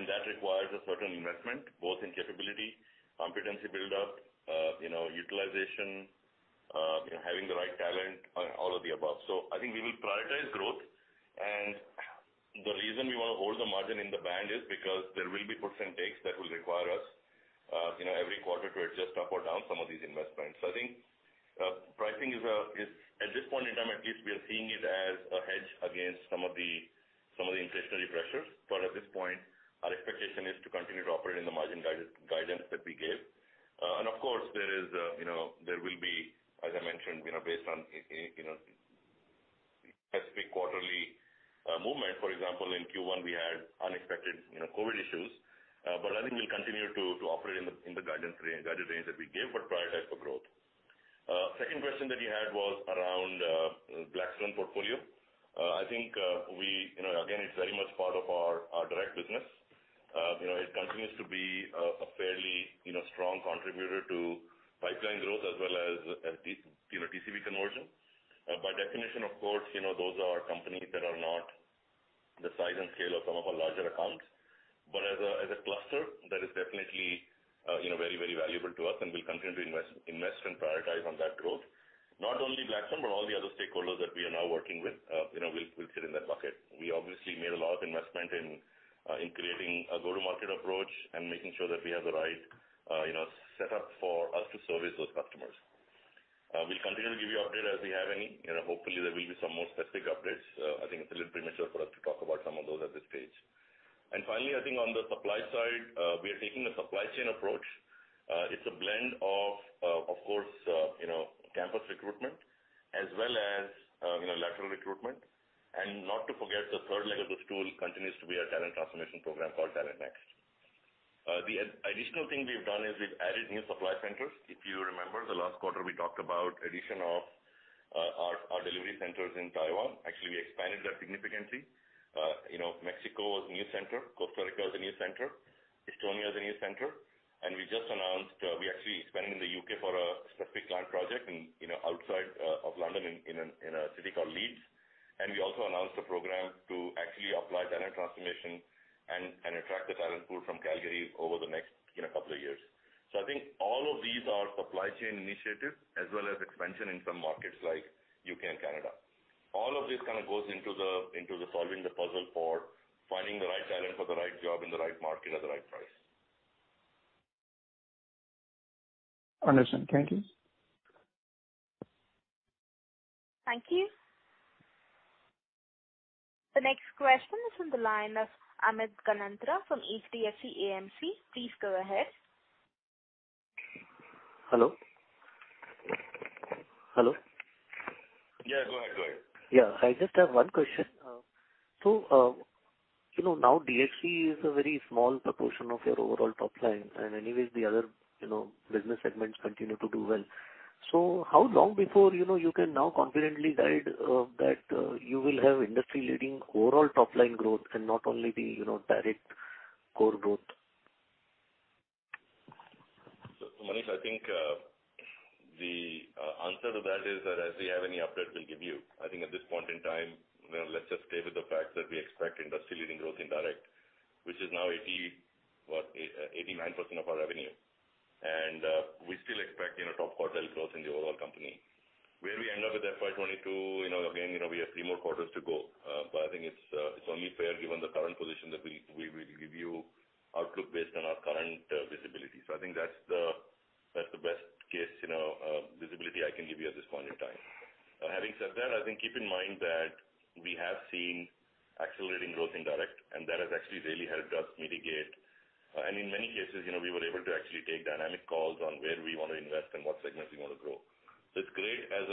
That requires a certain investment both in capability, competency build-up, utilization, having the right talent, and all of the above. I think we will prioritize growth. The reason we want to hold the margin in the band is because there will be puts and takes that will require us every quarter to adjust up or down some of these investments. I think pricing is, at this point in time at least, we are seeing it as a hedge against some of the inflationary pressures. At this point, our expectation is to continue to operate in the margin guidance that we gave. Of course, there will be, as I mentioned based on specific quarterly movement. For example, in Q1 we had unexpected COVID issues. I think we'll continue to operate in the guidance range that we gave, but prioritize for growth. Second question that you had was around Blackstone portfolio. I think, again, it's very much part of our Direct business. It continues to be a fairly strong contributor to pipeline growth as well as TCV conversion. By definition, of course, those are companies that are not the size and scale of some of our larger accounts. As a cluster, that is definitely very valuable to us, and we'll continue to invest and prioritize on that growth. Not only Blackstone, but all the other stakeholders that we are now working with will fit in that bucket. We obviously made a lot of investment in creating a go-to-market approach and making sure that we have the right setup for us to service those customers. We'll continue to give you update as we have any. Hopefully, there will be some more specific updates. I think it's a little premature for us to talk about some of those at this stage. Finally, I think on the supply side, we are taking a supply chain approach. It's a blend of course, campus recruitment as well as lateral recruitment. Not to forget, the third leg of the stool continues to be our talent transformation program called Talent Next. The additional thing we've done is we've added new supply centers. If you remember, the last quarter we talked about addition of our delivery centers in Taiwan. Actually, we expanded that significantly. Mexico is a new center. Costa Rica is a new center. Estonia is a new center. We just announced, we actually expanded in the U.K. for a specific client project outside of London in a city called Leeds. We also announced a program to actually apply talent transformation and attract the talent pool from Calgary over the next couple of years. I think all of these are supply chain initiatives as well as expansion in some markets like U.K. and Canada. All of this goes into the solving the puzzle for finding the right talent for the right job in the right market at the right price. Understood. Thank you. Thank you. The next question is on the line of Amit Ganatra from HDFC AMC. Please go ahead. Hello? Hello? Yeah, go ahead. Yeah. I just have one question. Now DXC is a very small proportion of your overall top line. Anyways, the other business segments continue to do well. How long before you can now confidently guide that you will have industry-leading overall top-line growth and not only the Direct core growth? Amit, I think the answer to that is that as we have any update, we'll give you. I think at this point in time, let's just stay with the fact that we expect industry-leading growth in Direct, which is now 89% of our revenue. We still expect top quartile growth in the overall company. Where we end up with FY 22, again, we have three more quarters to go. I think it's only fair given the current position that we give you outlook based on our current visibility. I think that's the best-case visibility I can give you at this point in time. Having said that, I think, keep in mind that we have seen accelerating growth in Direct, and that has actually really helped us mitigate and in many cases, we were able to actually take dynamic calls on where we want to invest and what segments we want to grow. So it's great as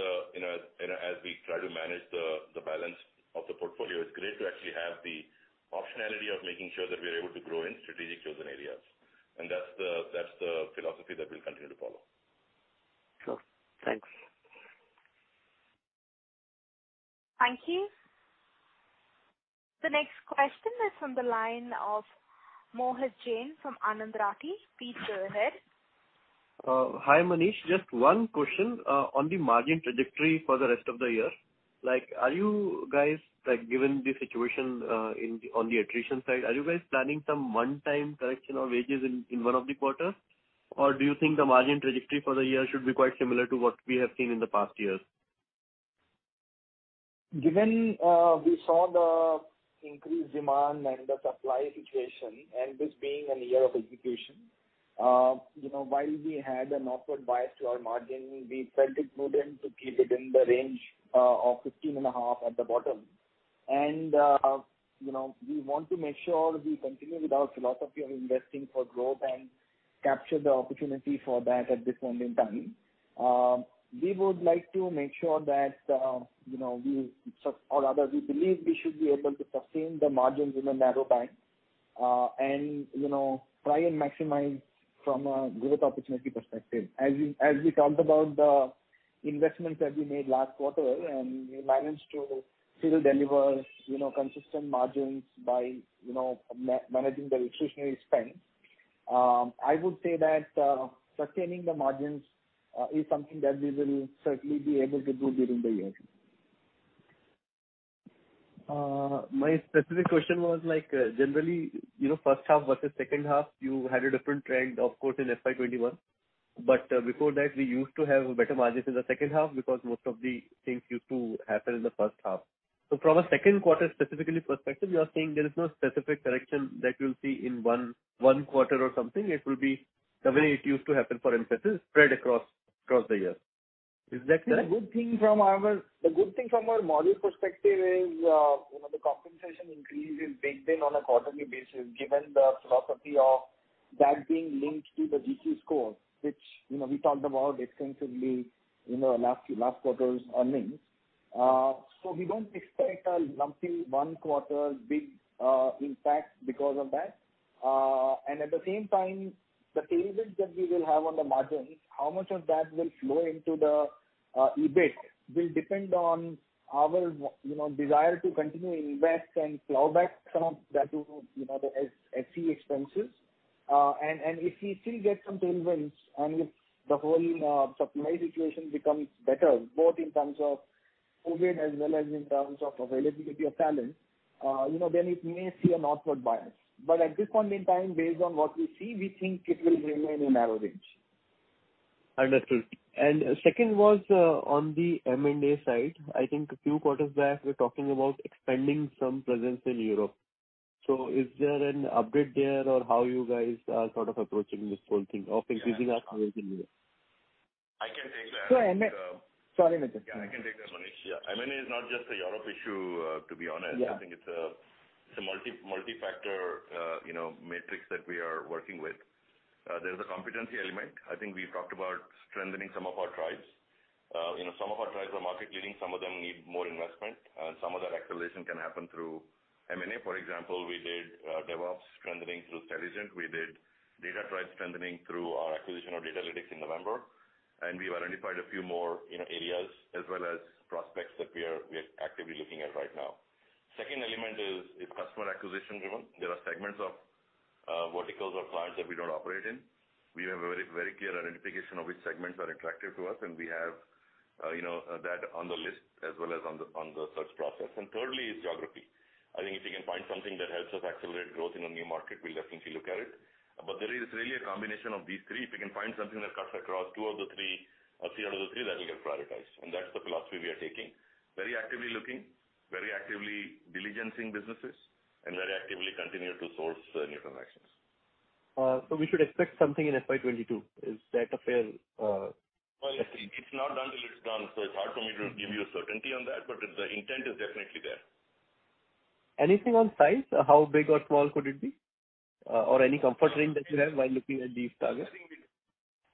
we try to manage the balance of the portfolio, it's great to actually have the optionality of making sure that we're able to grow in strategically chosen areas. That's the philosophy that we'll continue to follow. Sure. Thanks. Thank you. The next question is from the line of Mohit Jain from Anand Rathi. Please go ahead. Hi, Manish. Just one question on the margin trajectory for the rest of the year. Given the situation on the attrition side, are you guys planning some one-time correction of wages in one of the quarters? Do you think the margin trajectory for the year should be quite similar to what we have seen in the past years? Given we saw the increased demand and the supply situation, and this being a year of execution, while we had an upward bias to our margin, we felt it prudent to keep it in the range of 15.5% at the bottom. We want to make sure we continue with our philosophy of investing for growth and capture the opportunity for that at this point in time. We would like to make sure that we, or rather, we believe we should be able to sustain the margins in a narrow band, and try and maximize from a growth opportunity perspective. As we talked about the investments that we made last quarter, and we managed to still deliver consistent margins by managing the discretionary spend. I would say that sustaining the margins is something that we will certainly be able to do during the year. My specific question was, generally, first half versus second half, you had a different trend, of course, in FY 21. Before that, we used to have better margins in the second half because most of the things used to happen in the first half. From a second quarter specifically perspective, you are saying there is no specific correction that you'll see in 1 quarter or something. It will be the way it used to happen for Mphasis, spread across the year. Is that correct? The good thing from our model perspective is the compensation increase is baked in on a quarterly basis, given the philosophy of that being linked to the GC score, which we talked about extensively in our last quarter's earnings. We don't expect a lumpy one quarter big impact because of that. At the same time, the savings that we will have on the margins, how much of that will flow into the EBIT will depend on our desire to continue to invest and plow back some of that to the SG&A expenses. If we still get some tailwinds, and if the whole supply situation becomes better, both in terms of COVID as well as in terms of availability of talent, then it may see an upward bias. At this point in time, based on what we see, we think it will remain in a narrow range. Understood. Second was on the M&A side. I think a few quarters back, we were talking about expanding some presence in Europe. Is there an update there on how you guys are sort of approaching this whole thing of increasing our presence in Europe? I can take that. Sorry, Madhav. Yeah, I can take that, Manish. M&A is not just a Europe issue, to be honest. Yeah. I think it's a multi-factor matrix that we are working with. There's a competency element. I think we've talked about strengthening some of our tribes. Some of our tribes are market leading, some of them need more investment, and some of that acceleration can happen through M&A. For example, we did DevOps strengthening through Stelligent. We did data tribe strengthening through our acquisition of Datalytyx in November. We've identified a few more areas as well as prospects that we are actively looking at right now. Second element is customer acquisition driven. There are segments of verticals or clients that we don't operate in. We have a very clear identification of which segments are attractive to us, and we have that on the list as well as on the search process. Thirdly is geography. I think if we can find something that helps us accelerate growth in a new market, we'll definitely look at it. There is really a combination of these three. If we can find something that cuts across two of the three or three out of the three, that will get prioritized, and that's the philosophy we are taking. Very actively looking, very actively diligencing businesses, and very actively continue to source new transactions. We should expect something in FY 2022. Is that a fair. Well, it's not done till it's done, so it's hard for me to give you a certainty on that. The intent is definitely there. Anything on size? How big or small could it be? Any comfort range that you have while looking at these targets? I think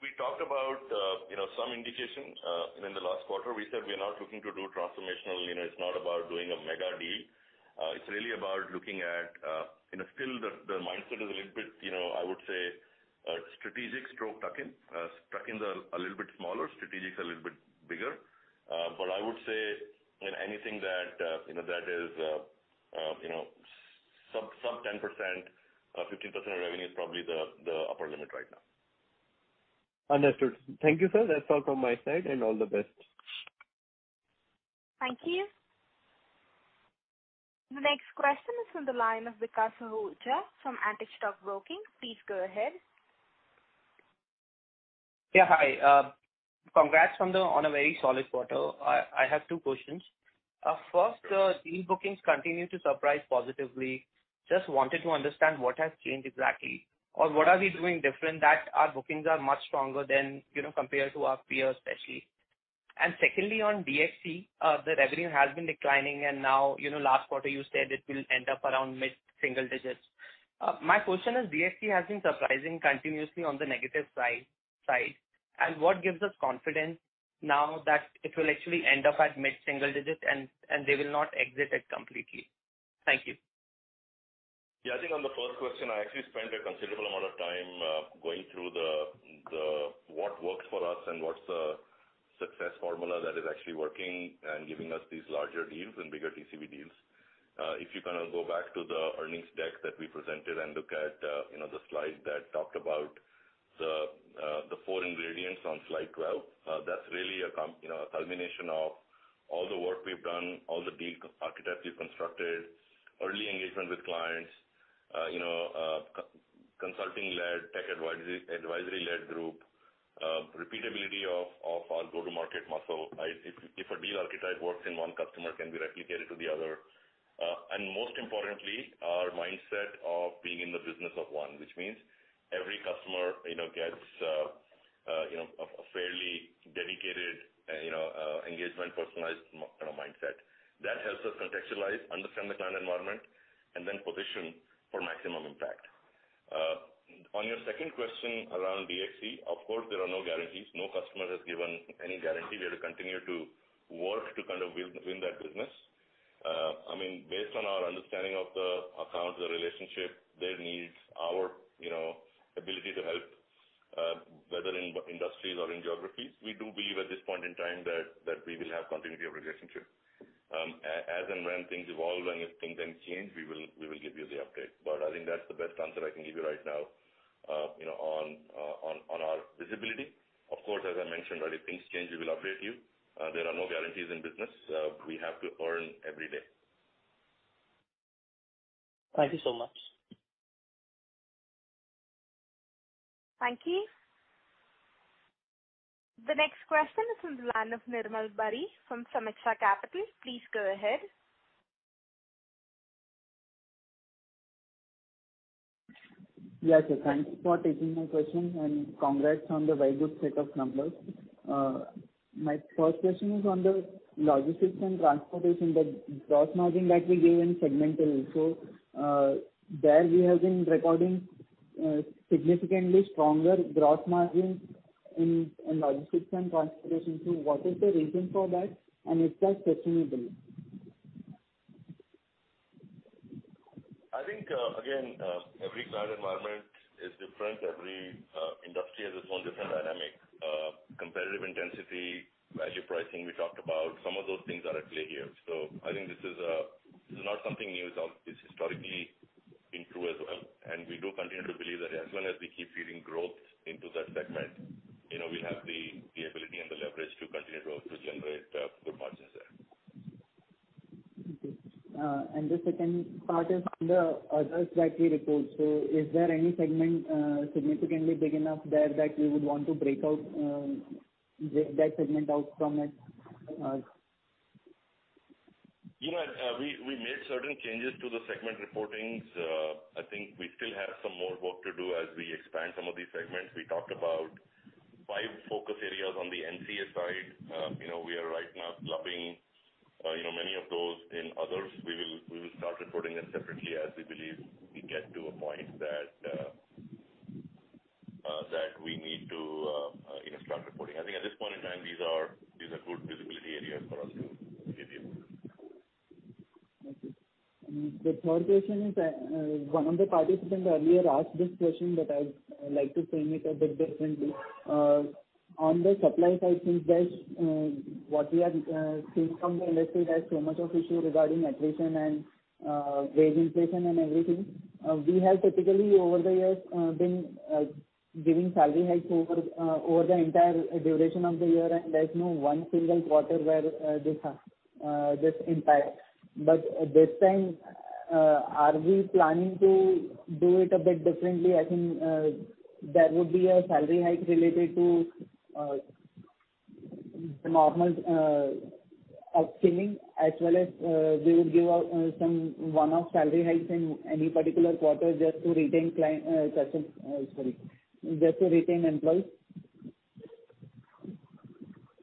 we talked about some indication in the last quarter. We said we are not looking to do transformational. It's not about doing a mega deal. Still the mindset is a little bit, I would say, strategic stroke tuck-in. Tuck-ins are a little bit smaller, strategic is a little bit bigger. I would say anything that is sub 10%, 15% of revenue is probably the upper limit right now. Understood. Thank you, sir. That's all from my side, and all the best. Thank you. The next question is from the line of Vikas Ahuja from Antique Stock Broking. Please go ahead. Yeah, hi. Congrats on a very solid quarter. I have two questions. First, deal bookings continue to surprise positively. Just wanted to understand what has changed exactly, or what are we doing different that our bookings are much stronger than compared to our peers, especially. Secondly, on DXC, the revenue has been declining, and now last quarter you said it will end up around mid-single digits. My question is, DXC has been surprising continuously on the negative side. What gives us confidence now that it will actually end up at mid-single digits and they will not exit it completely? Thank you. I think on the first question, I actually spent a considerable amount of time going through what works for us and what's the success formula that is actually working and giving us these larger deals and bigger TCV deals. If you go back to the earnings deck that we presented and look at the slide that talked about the four ingredients on slide 12, that's really a culmination of all the work we've done, all the deal archetypes we've constructed, early engagement with clients, consulting-led, tech advisory-led group, repeatability of our go-to-market muscle. If a deal archetype works in one customer, can we replicate it to the other? Most importantly, our mindset of being in the business of one, which means every customer gets a fairly dedicated engagement, personalized kind of mindset. That helps us contextualize, understand the client environment, and then position for maximum impact. On your second question around DXC, of course, there are no guarantees. No customer has given any guarantee. We have to continue to work to kind of win that business. Based on our understanding of the account, the relationship, their needs, our ability to help, whether in industries or in geographies, we do believe at this point in time that we will have continuity of relationship. As and when things evolve and if things then change, we will give you the update. I think that's the best answer I can give you right now on our visibility. Of course, as I mentioned, if things change, we will update you. There are no guarantees in business. We have to earn every day. Thank you so much. Thank you. The next question is from the line of Nirmal Bari from Sameeksha Capital. Please go ahead. Yeah, sure. Thank you for taking my question, and congrats on the very good set of numbers. My first question is on the logistics and transportation, the gross margin that you gave in segmental. There we have been recording significantly stronger gross margins in logistics and transportation. What is the reason for that, and is that sustainable? I think, again, every cloud environment is different. Every industry has its own different dynamic. Competitive intensity, value pricing we talked about. Some of those things are at play here. I think this is not something new. It's historically been true as well. We do continue to believe that as long as we keep feeding growth into that segment, we'll have the ability and the leverage to continue to also generate good margins there. Okay. The second part is on the others that we report. Is there any segment significantly big enough there that you would want to break out that segment out from it? We made certain changes to the segment reportings. I think we still have some more work to do as we expand some of these segments. We talked about five focus areas on the NCA side. We are right now clubbing many of those in others. We will start reporting them separately as we believe we get to a point that we need to start reporting. I think at this point in time, these are good visibility areas for us to give you. Okay. The third question is, one of the participants earlier asked this question, I would like to frame it a bit differently. On the supply side things, what we are seeing from the industry, there's so much of issue regarding attrition and wage inflation and everything. We have typically over the years been giving salary hikes over the entire duration of the year, and there's no one single quarter where this impacts. This time, are we planning to do it a bit differently? I think there would be a salary hike related to the normal upskilling as well as we would give out some one-off salary hikes in any particular quarter. Sorry. Just to retain employees.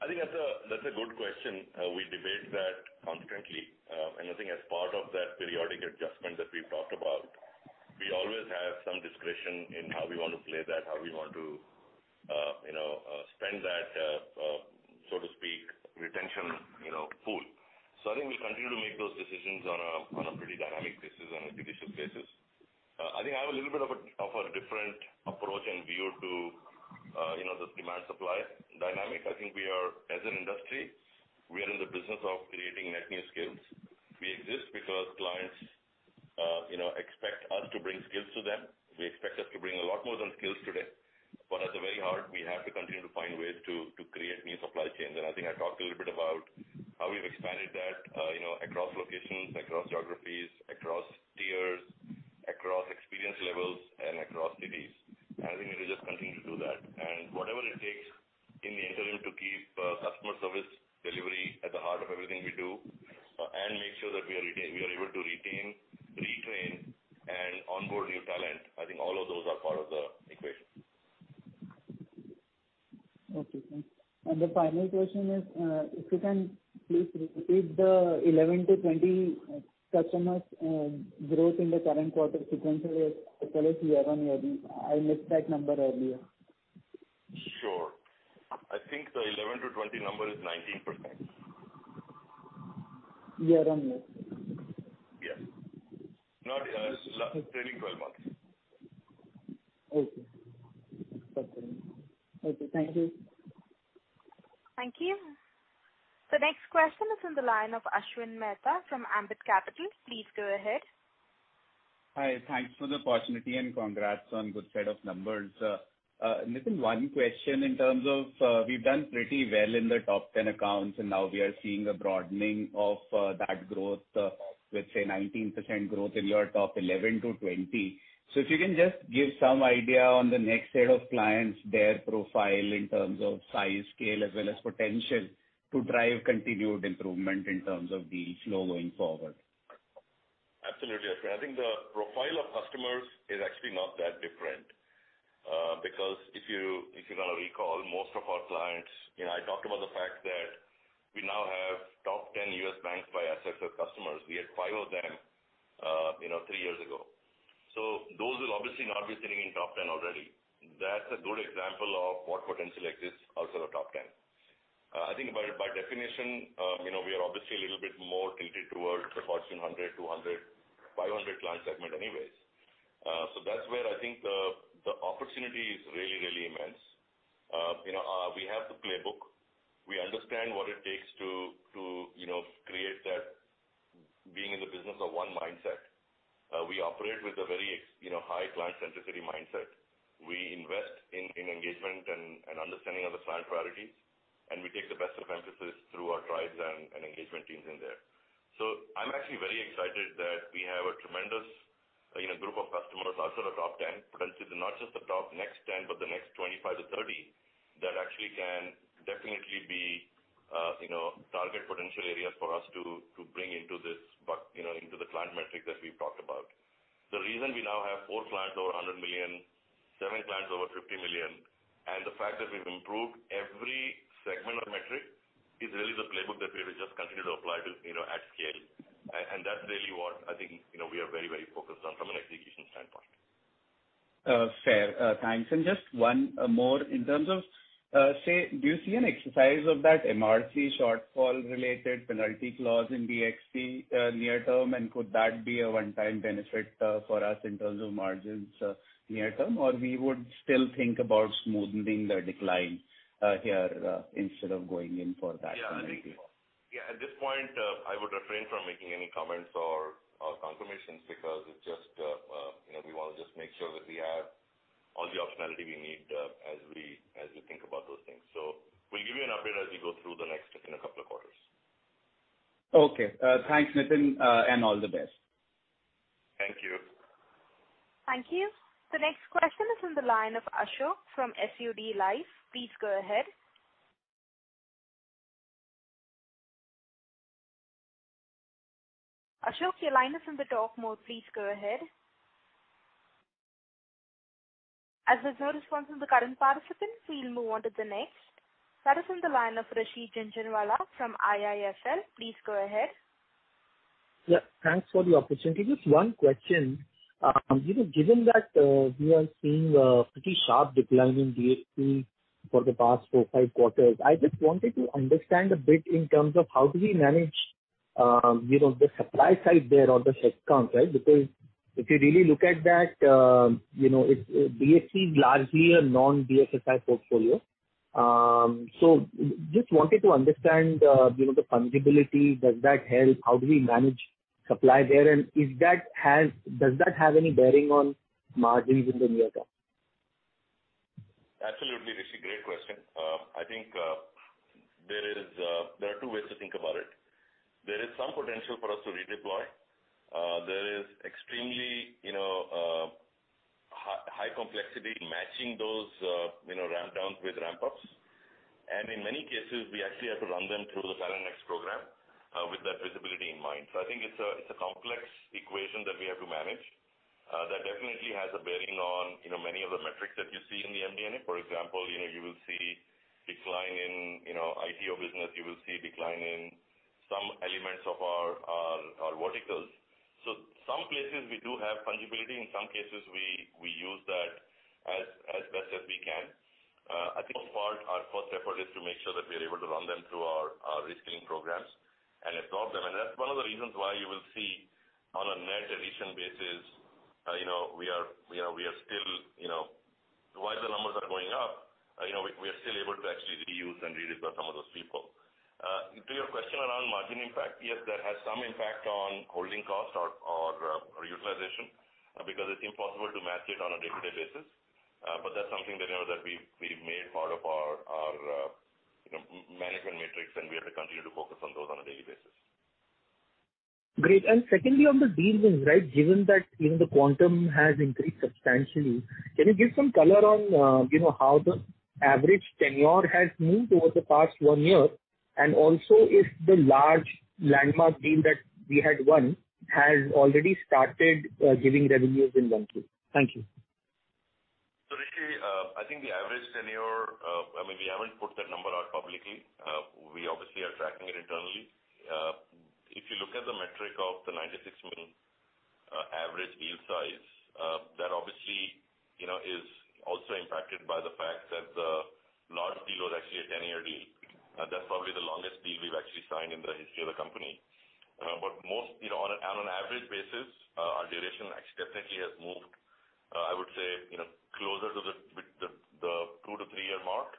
I think that's a good question. We debate that constantly. I think as part of that periodic adjustment that we've talked about, we always have some discretion in how we want to play that, how we want to spend that, so to speak, retention pool. I think we continue to make those decisions on a pretty dynamic basis, on a judicious basis. I think I have a little bit of a different approach and view to this demand-supply dynamic. I think we are, as an industry, we are in the business of creating net new skills. We exist because clients expect us to bring skills to them. They expect us to bring a lot more than skills today. At the very heart, we have to continue to find ways to create new supply chains. I think I talked a little bit about how we've expanded that across locations, across geographies, across tiers, across experience levels, and across cities. I think we will just continue to do that. Whatever it takes in the interim to keep customer service delivery at the heart of everything we do and make sure that we are able to retain, retrain, and onboard new talent. I think all of those are part of the equation. Okay, thanks. The final question is if you can please repeat the 11-20 customers growth in the current quarter sequentially as well as year-on-year. I missed that number earlier. Sure. I think the 11 to 20 number is 19%. Year-on-year? Yes. Not last trailing 12 months. Okay. Got you. Okay, thank you. Thank you. The next question is on the line of Ashwin Mehta from Ambit Capital. Please go ahead. Hi. Thanks for the opportunity and congrats on good set of numbers. Nitin, one question in terms of we've done pretty well in the top 10 accounts. Now we are seeing a broadening of that growth with, say, 19% growth in your top 11-20. If you can just give some idea on the next set of clients, their profile in terms of size, scale, as well as potential to drive continued improvement in terms of deal flow going forward. Absolutely, Ashwin. I think the profile of customers is actually not that different. If you recall, most of our clients, I talked about the fact that we now have top 10 U.S. banks by assets as customers. We had five of them three years ago. Those will obviously not be sitting in top 10 already. That's a good example of what potential exists outside of top 10. I think by definition, we are obviously a little bit more tilted towards the Fortune 100, 200, 500 client segment anyways. That's where I think the opportunity is really immense. We have the playbook. We understand what it takes to create that being in the business of one mindset. We operate with a very high client-centricity mindset. We invest in engagement and understanding of the client priorities, and we take the best of Mphasis through our tribes and engagement teams in there. I'm actually very excited that we have a tremendous group of customers outside of the top 10 potentially, not just the top next 10, but the next 25 to 30, that actually can definitely be target potential areas for us to bring into the client metric that we've talked about. The reason we now have four clients over $100 million, seven clients over $50 million, and the fact that we've improved every segment or metric is really the playbook that we will just continue to apply at scale. That's really what I think we are very focused on from an execution standpoint. Fair. Thanks. Just one more in terms of, say, do you see an exercise of that MRC shortfall related penalty clause in DXC near term? Could that be a one-time benefit for us in terms of margins near term? We would still think about smoothening the decline here instead of going in for that penalty? Yeah, at this point, I would refrain from making any comments or confirmations because we want to just make sure that we have all the optionality we need as we think about those things. We'll give you an update as we go through the next couple of quarters. Okay. Thanks, Nitin. All the best. Thank you. Thank you. The next question is on the line of Ashok from SUD Life. Please go ahead. Ashok, your line is on the talk mode. Please go ahead. There's no response from the current participant, we'll move on to the next. That is on the line of Rishi Jhunjhunwala from IIFL. Please go ahead. Yeah. Thanks for the opportunity. Just one question. Given that we are seeing a pretty sharp decline in DHC for the past four, five quarters, I just wanted to understand a bit in terms of how do we manage the supply side there or the headcounts, right? If you really look at that, DHC is largely a non-DXC portfolio. Just wanted to understand the fungibility. Does that help? How do we manage supply there? Does that have any bearing on margins in the near term? Absolutely, Rishi. Great question. I think there are two ways to think about it. There is some potential for us to redeploy. There is extremely high complexity in matching those ramp downs with ramp ups. In many cases, we actually have to run them through the TalentNext program with that visibility in mind. I think it's a complex equation that we have to manage that definitely has a bearing on many of the metrics that you see in the MD&A. For example, you will see decline in ITO business, you will see decline in some elements of our verticals. Some places we do have fungibility. In some cases, we use that as best as we can. I think for our first effort is to make sure that we are able to run them through our reskilling programs and absorb them. That's one of the reasons why you will see on a net addition basis, while the numbers are going up, we are still able to actually reuse and redeploy some of those people. To your question around margin impact, yes, that has some impact on holding cost or utilization because it's impossible to match it on a day-to-day basis. That's something that we've made part of our management metrics, and we have to continue to focus on those on a daily basis. Great. Secondly, on the deal wins, given that the quantum has increased substantially, can you give some color on how the average tenure has moved over the past one year? Also, if the large landmark deal that we had won has already started giving revenues in 1Q? Thank you. Rishi, I think the average tenure, we haven't put that number out publicly. We obviously are tracking it internally. If you look at the metric of the $96 million average deal size, that obviously is also impacted by the fact that the large deal was actually a 10-year deal. That's probably the longest deal we've actually signed in the history of the company. On an average basis, our duration actually definitely has moved, I would say, closer to the two to three-year mark.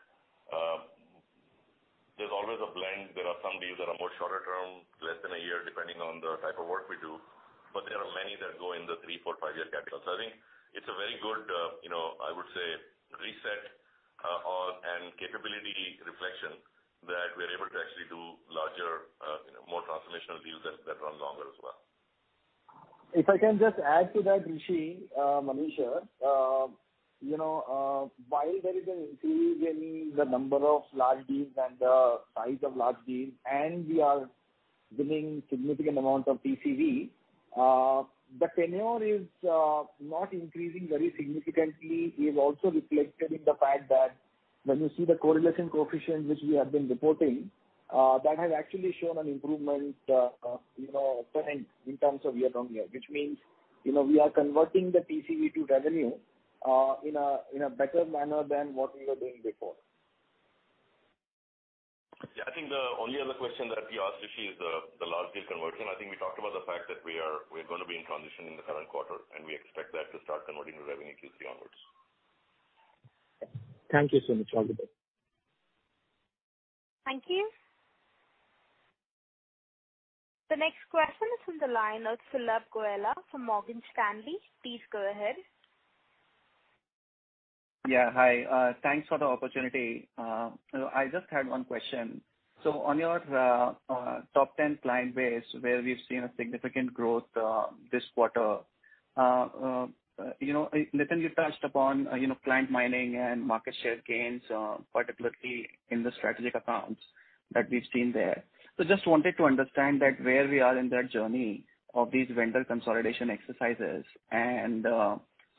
There's always a blend. There are some deals that are more shorter term, less than a year, depending on the type of work we do. There are many that go in the three, four, five-year category. I think it's a very good, I would say, reset and capability reflection that we're able to actually do larger, more transformational deals that run longer as well. If I can just add to that, Rishi, Manish. While there is an increase in the number of large deals and the size of large deals, and we are winning significant amount of TCV, the tenure is not increasing very significantly, is also reflected in the fact that when you see the correlation coefficient, which we have been reporting, that has actually shown an improvement trend in terms of year-on-year. Which means we are converting the TCV to revenue in a better manner than what we were doing before. Yeah. I think the only other question that you asked, Rishi, is the large deal conversion. I think we talked about the fact that we're going to be in transition in the current quarter, and we expect that to start converting to revenue Q3 onwards. Thank you so much. All the best. Thank you. The next question is on the line of Sulabh Govila from Morgan Stanley. Please go ahead. Yeah. Hi. Thanks for the opportunity. I just had one question. On your top 10 client base where we've seen a significant growth this quarter, Nitin, you touched upon client mining and market share gains, particularly in the strategic accounts that we've seen there. Just wanted to understand where we are in that journey of these vendor consolidation exercises and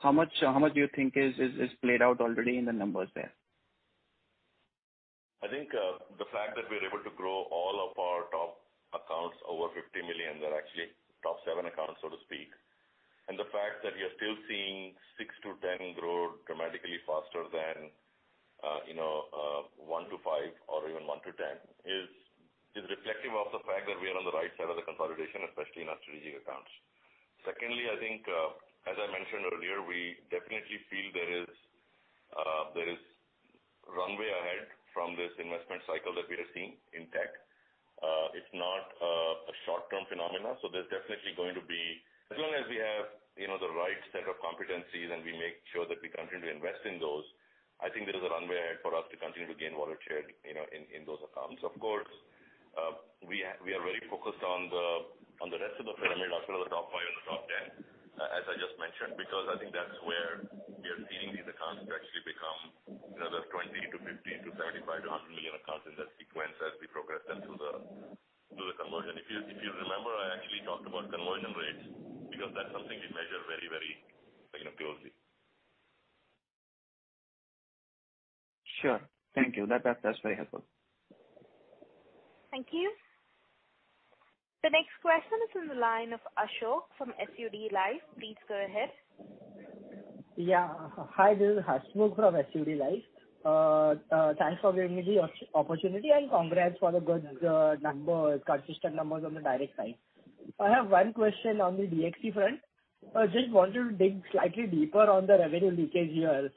how much do you think is played out already in the numbers there? I think the fact that we're able to grow all of our top accounts over $50 million, they're actually top 7 accounts, so to speak. The fact that we are still seeing 6 to 10 grow dramatically faster than 1 to 5 or even 1 to 10 is reflective of the fact that we are on the right side of the consolidation, especially in our strategic accounts. Secondly, I think, as I mentioned earlier, we definitely feel there is runway ahead from this investment cycle that we are seeing in tech. It's not a short-term phenomenon. As long as we have the right set of competencies and we make sure that we continue to invest in those, I think there is a runway ahead for us to continue to gain wallet share in those accounts. Of course, we are very focused on the rest of the pyramid as well as the top 5 and the top 10, as I just mentioned, because I think that's where we are seeing these accounts actually become another 20 to 50 to 75 to 100 million accounts in that sequence as we progress them through the conversion. If you remember, I actually talked about conversion rates because that's something we measure very closely. Sure. Thank you. That's very helpful. Thank you. The next question is on the line of Ashok from SUD Life. Please go ahead. Yeah. Hi, this is Ashok from SUD Life. Thanks for giving me the opportunity and congrats for the good, consistent numbers on the Direct side. I have one question on the DXC front. I just want to dig slightly deeper on the revenue leakage here.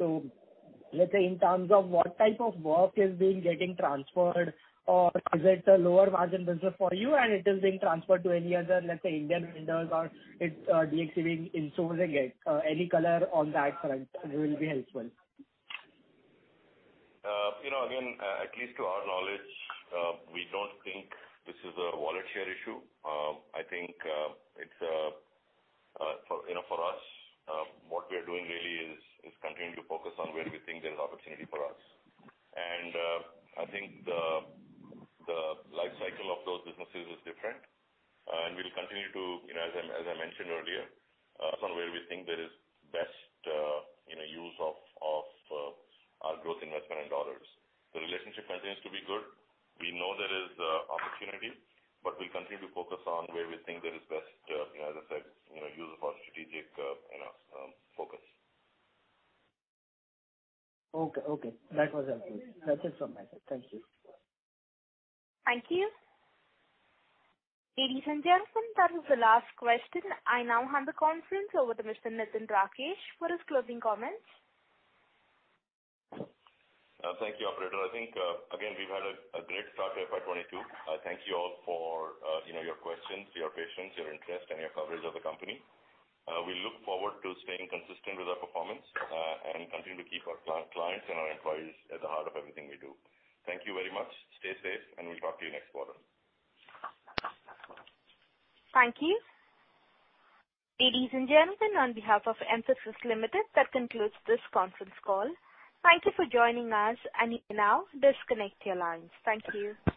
Let's say in terms of what type of work has been getting transferred or is it a lower margin business for you and it is being transferred to any other, let's say, Indian vendors or DXC being insourcing it. Any color on that front will be helpful. At least to our knowledge, we don't think this is a wallet share issue. I think, for us, what we are doing really is continuing to focus on where we think there's opportunity for us. I think the life cycle of those businesses is different. We'll continue to, as I mentioned earlier, focus on where we think there is best use of our growth investment and dollars. The relationship continues to be good. We know there is opportunity, we'll continue to focus on where we think there is best, as I said, use of our strategic focus. Okay. That was helpful. That's it from my side. Thank you. Thank you. Ladies and gentlemen, that was the last question. I now hand the conference over to Mr. Nitin Rakesh for his closing comments. Thank you, operator. I think, again, we've had a great start to FY 2022. Thank you all for your questions, your patience, your interest and your coverage of the company. We look forward to staying consistent with our performance, and continue to keep our clients and our employees at the heart of everything we do. Thank you very much. Stay safe, and we'll talk to you next quarter. Thank you. Ladies and gentlemen, on behalf of Mphasis Limited, that concludes this conference call. Thank you for joining us. You may now disconnect your lines. Thank you.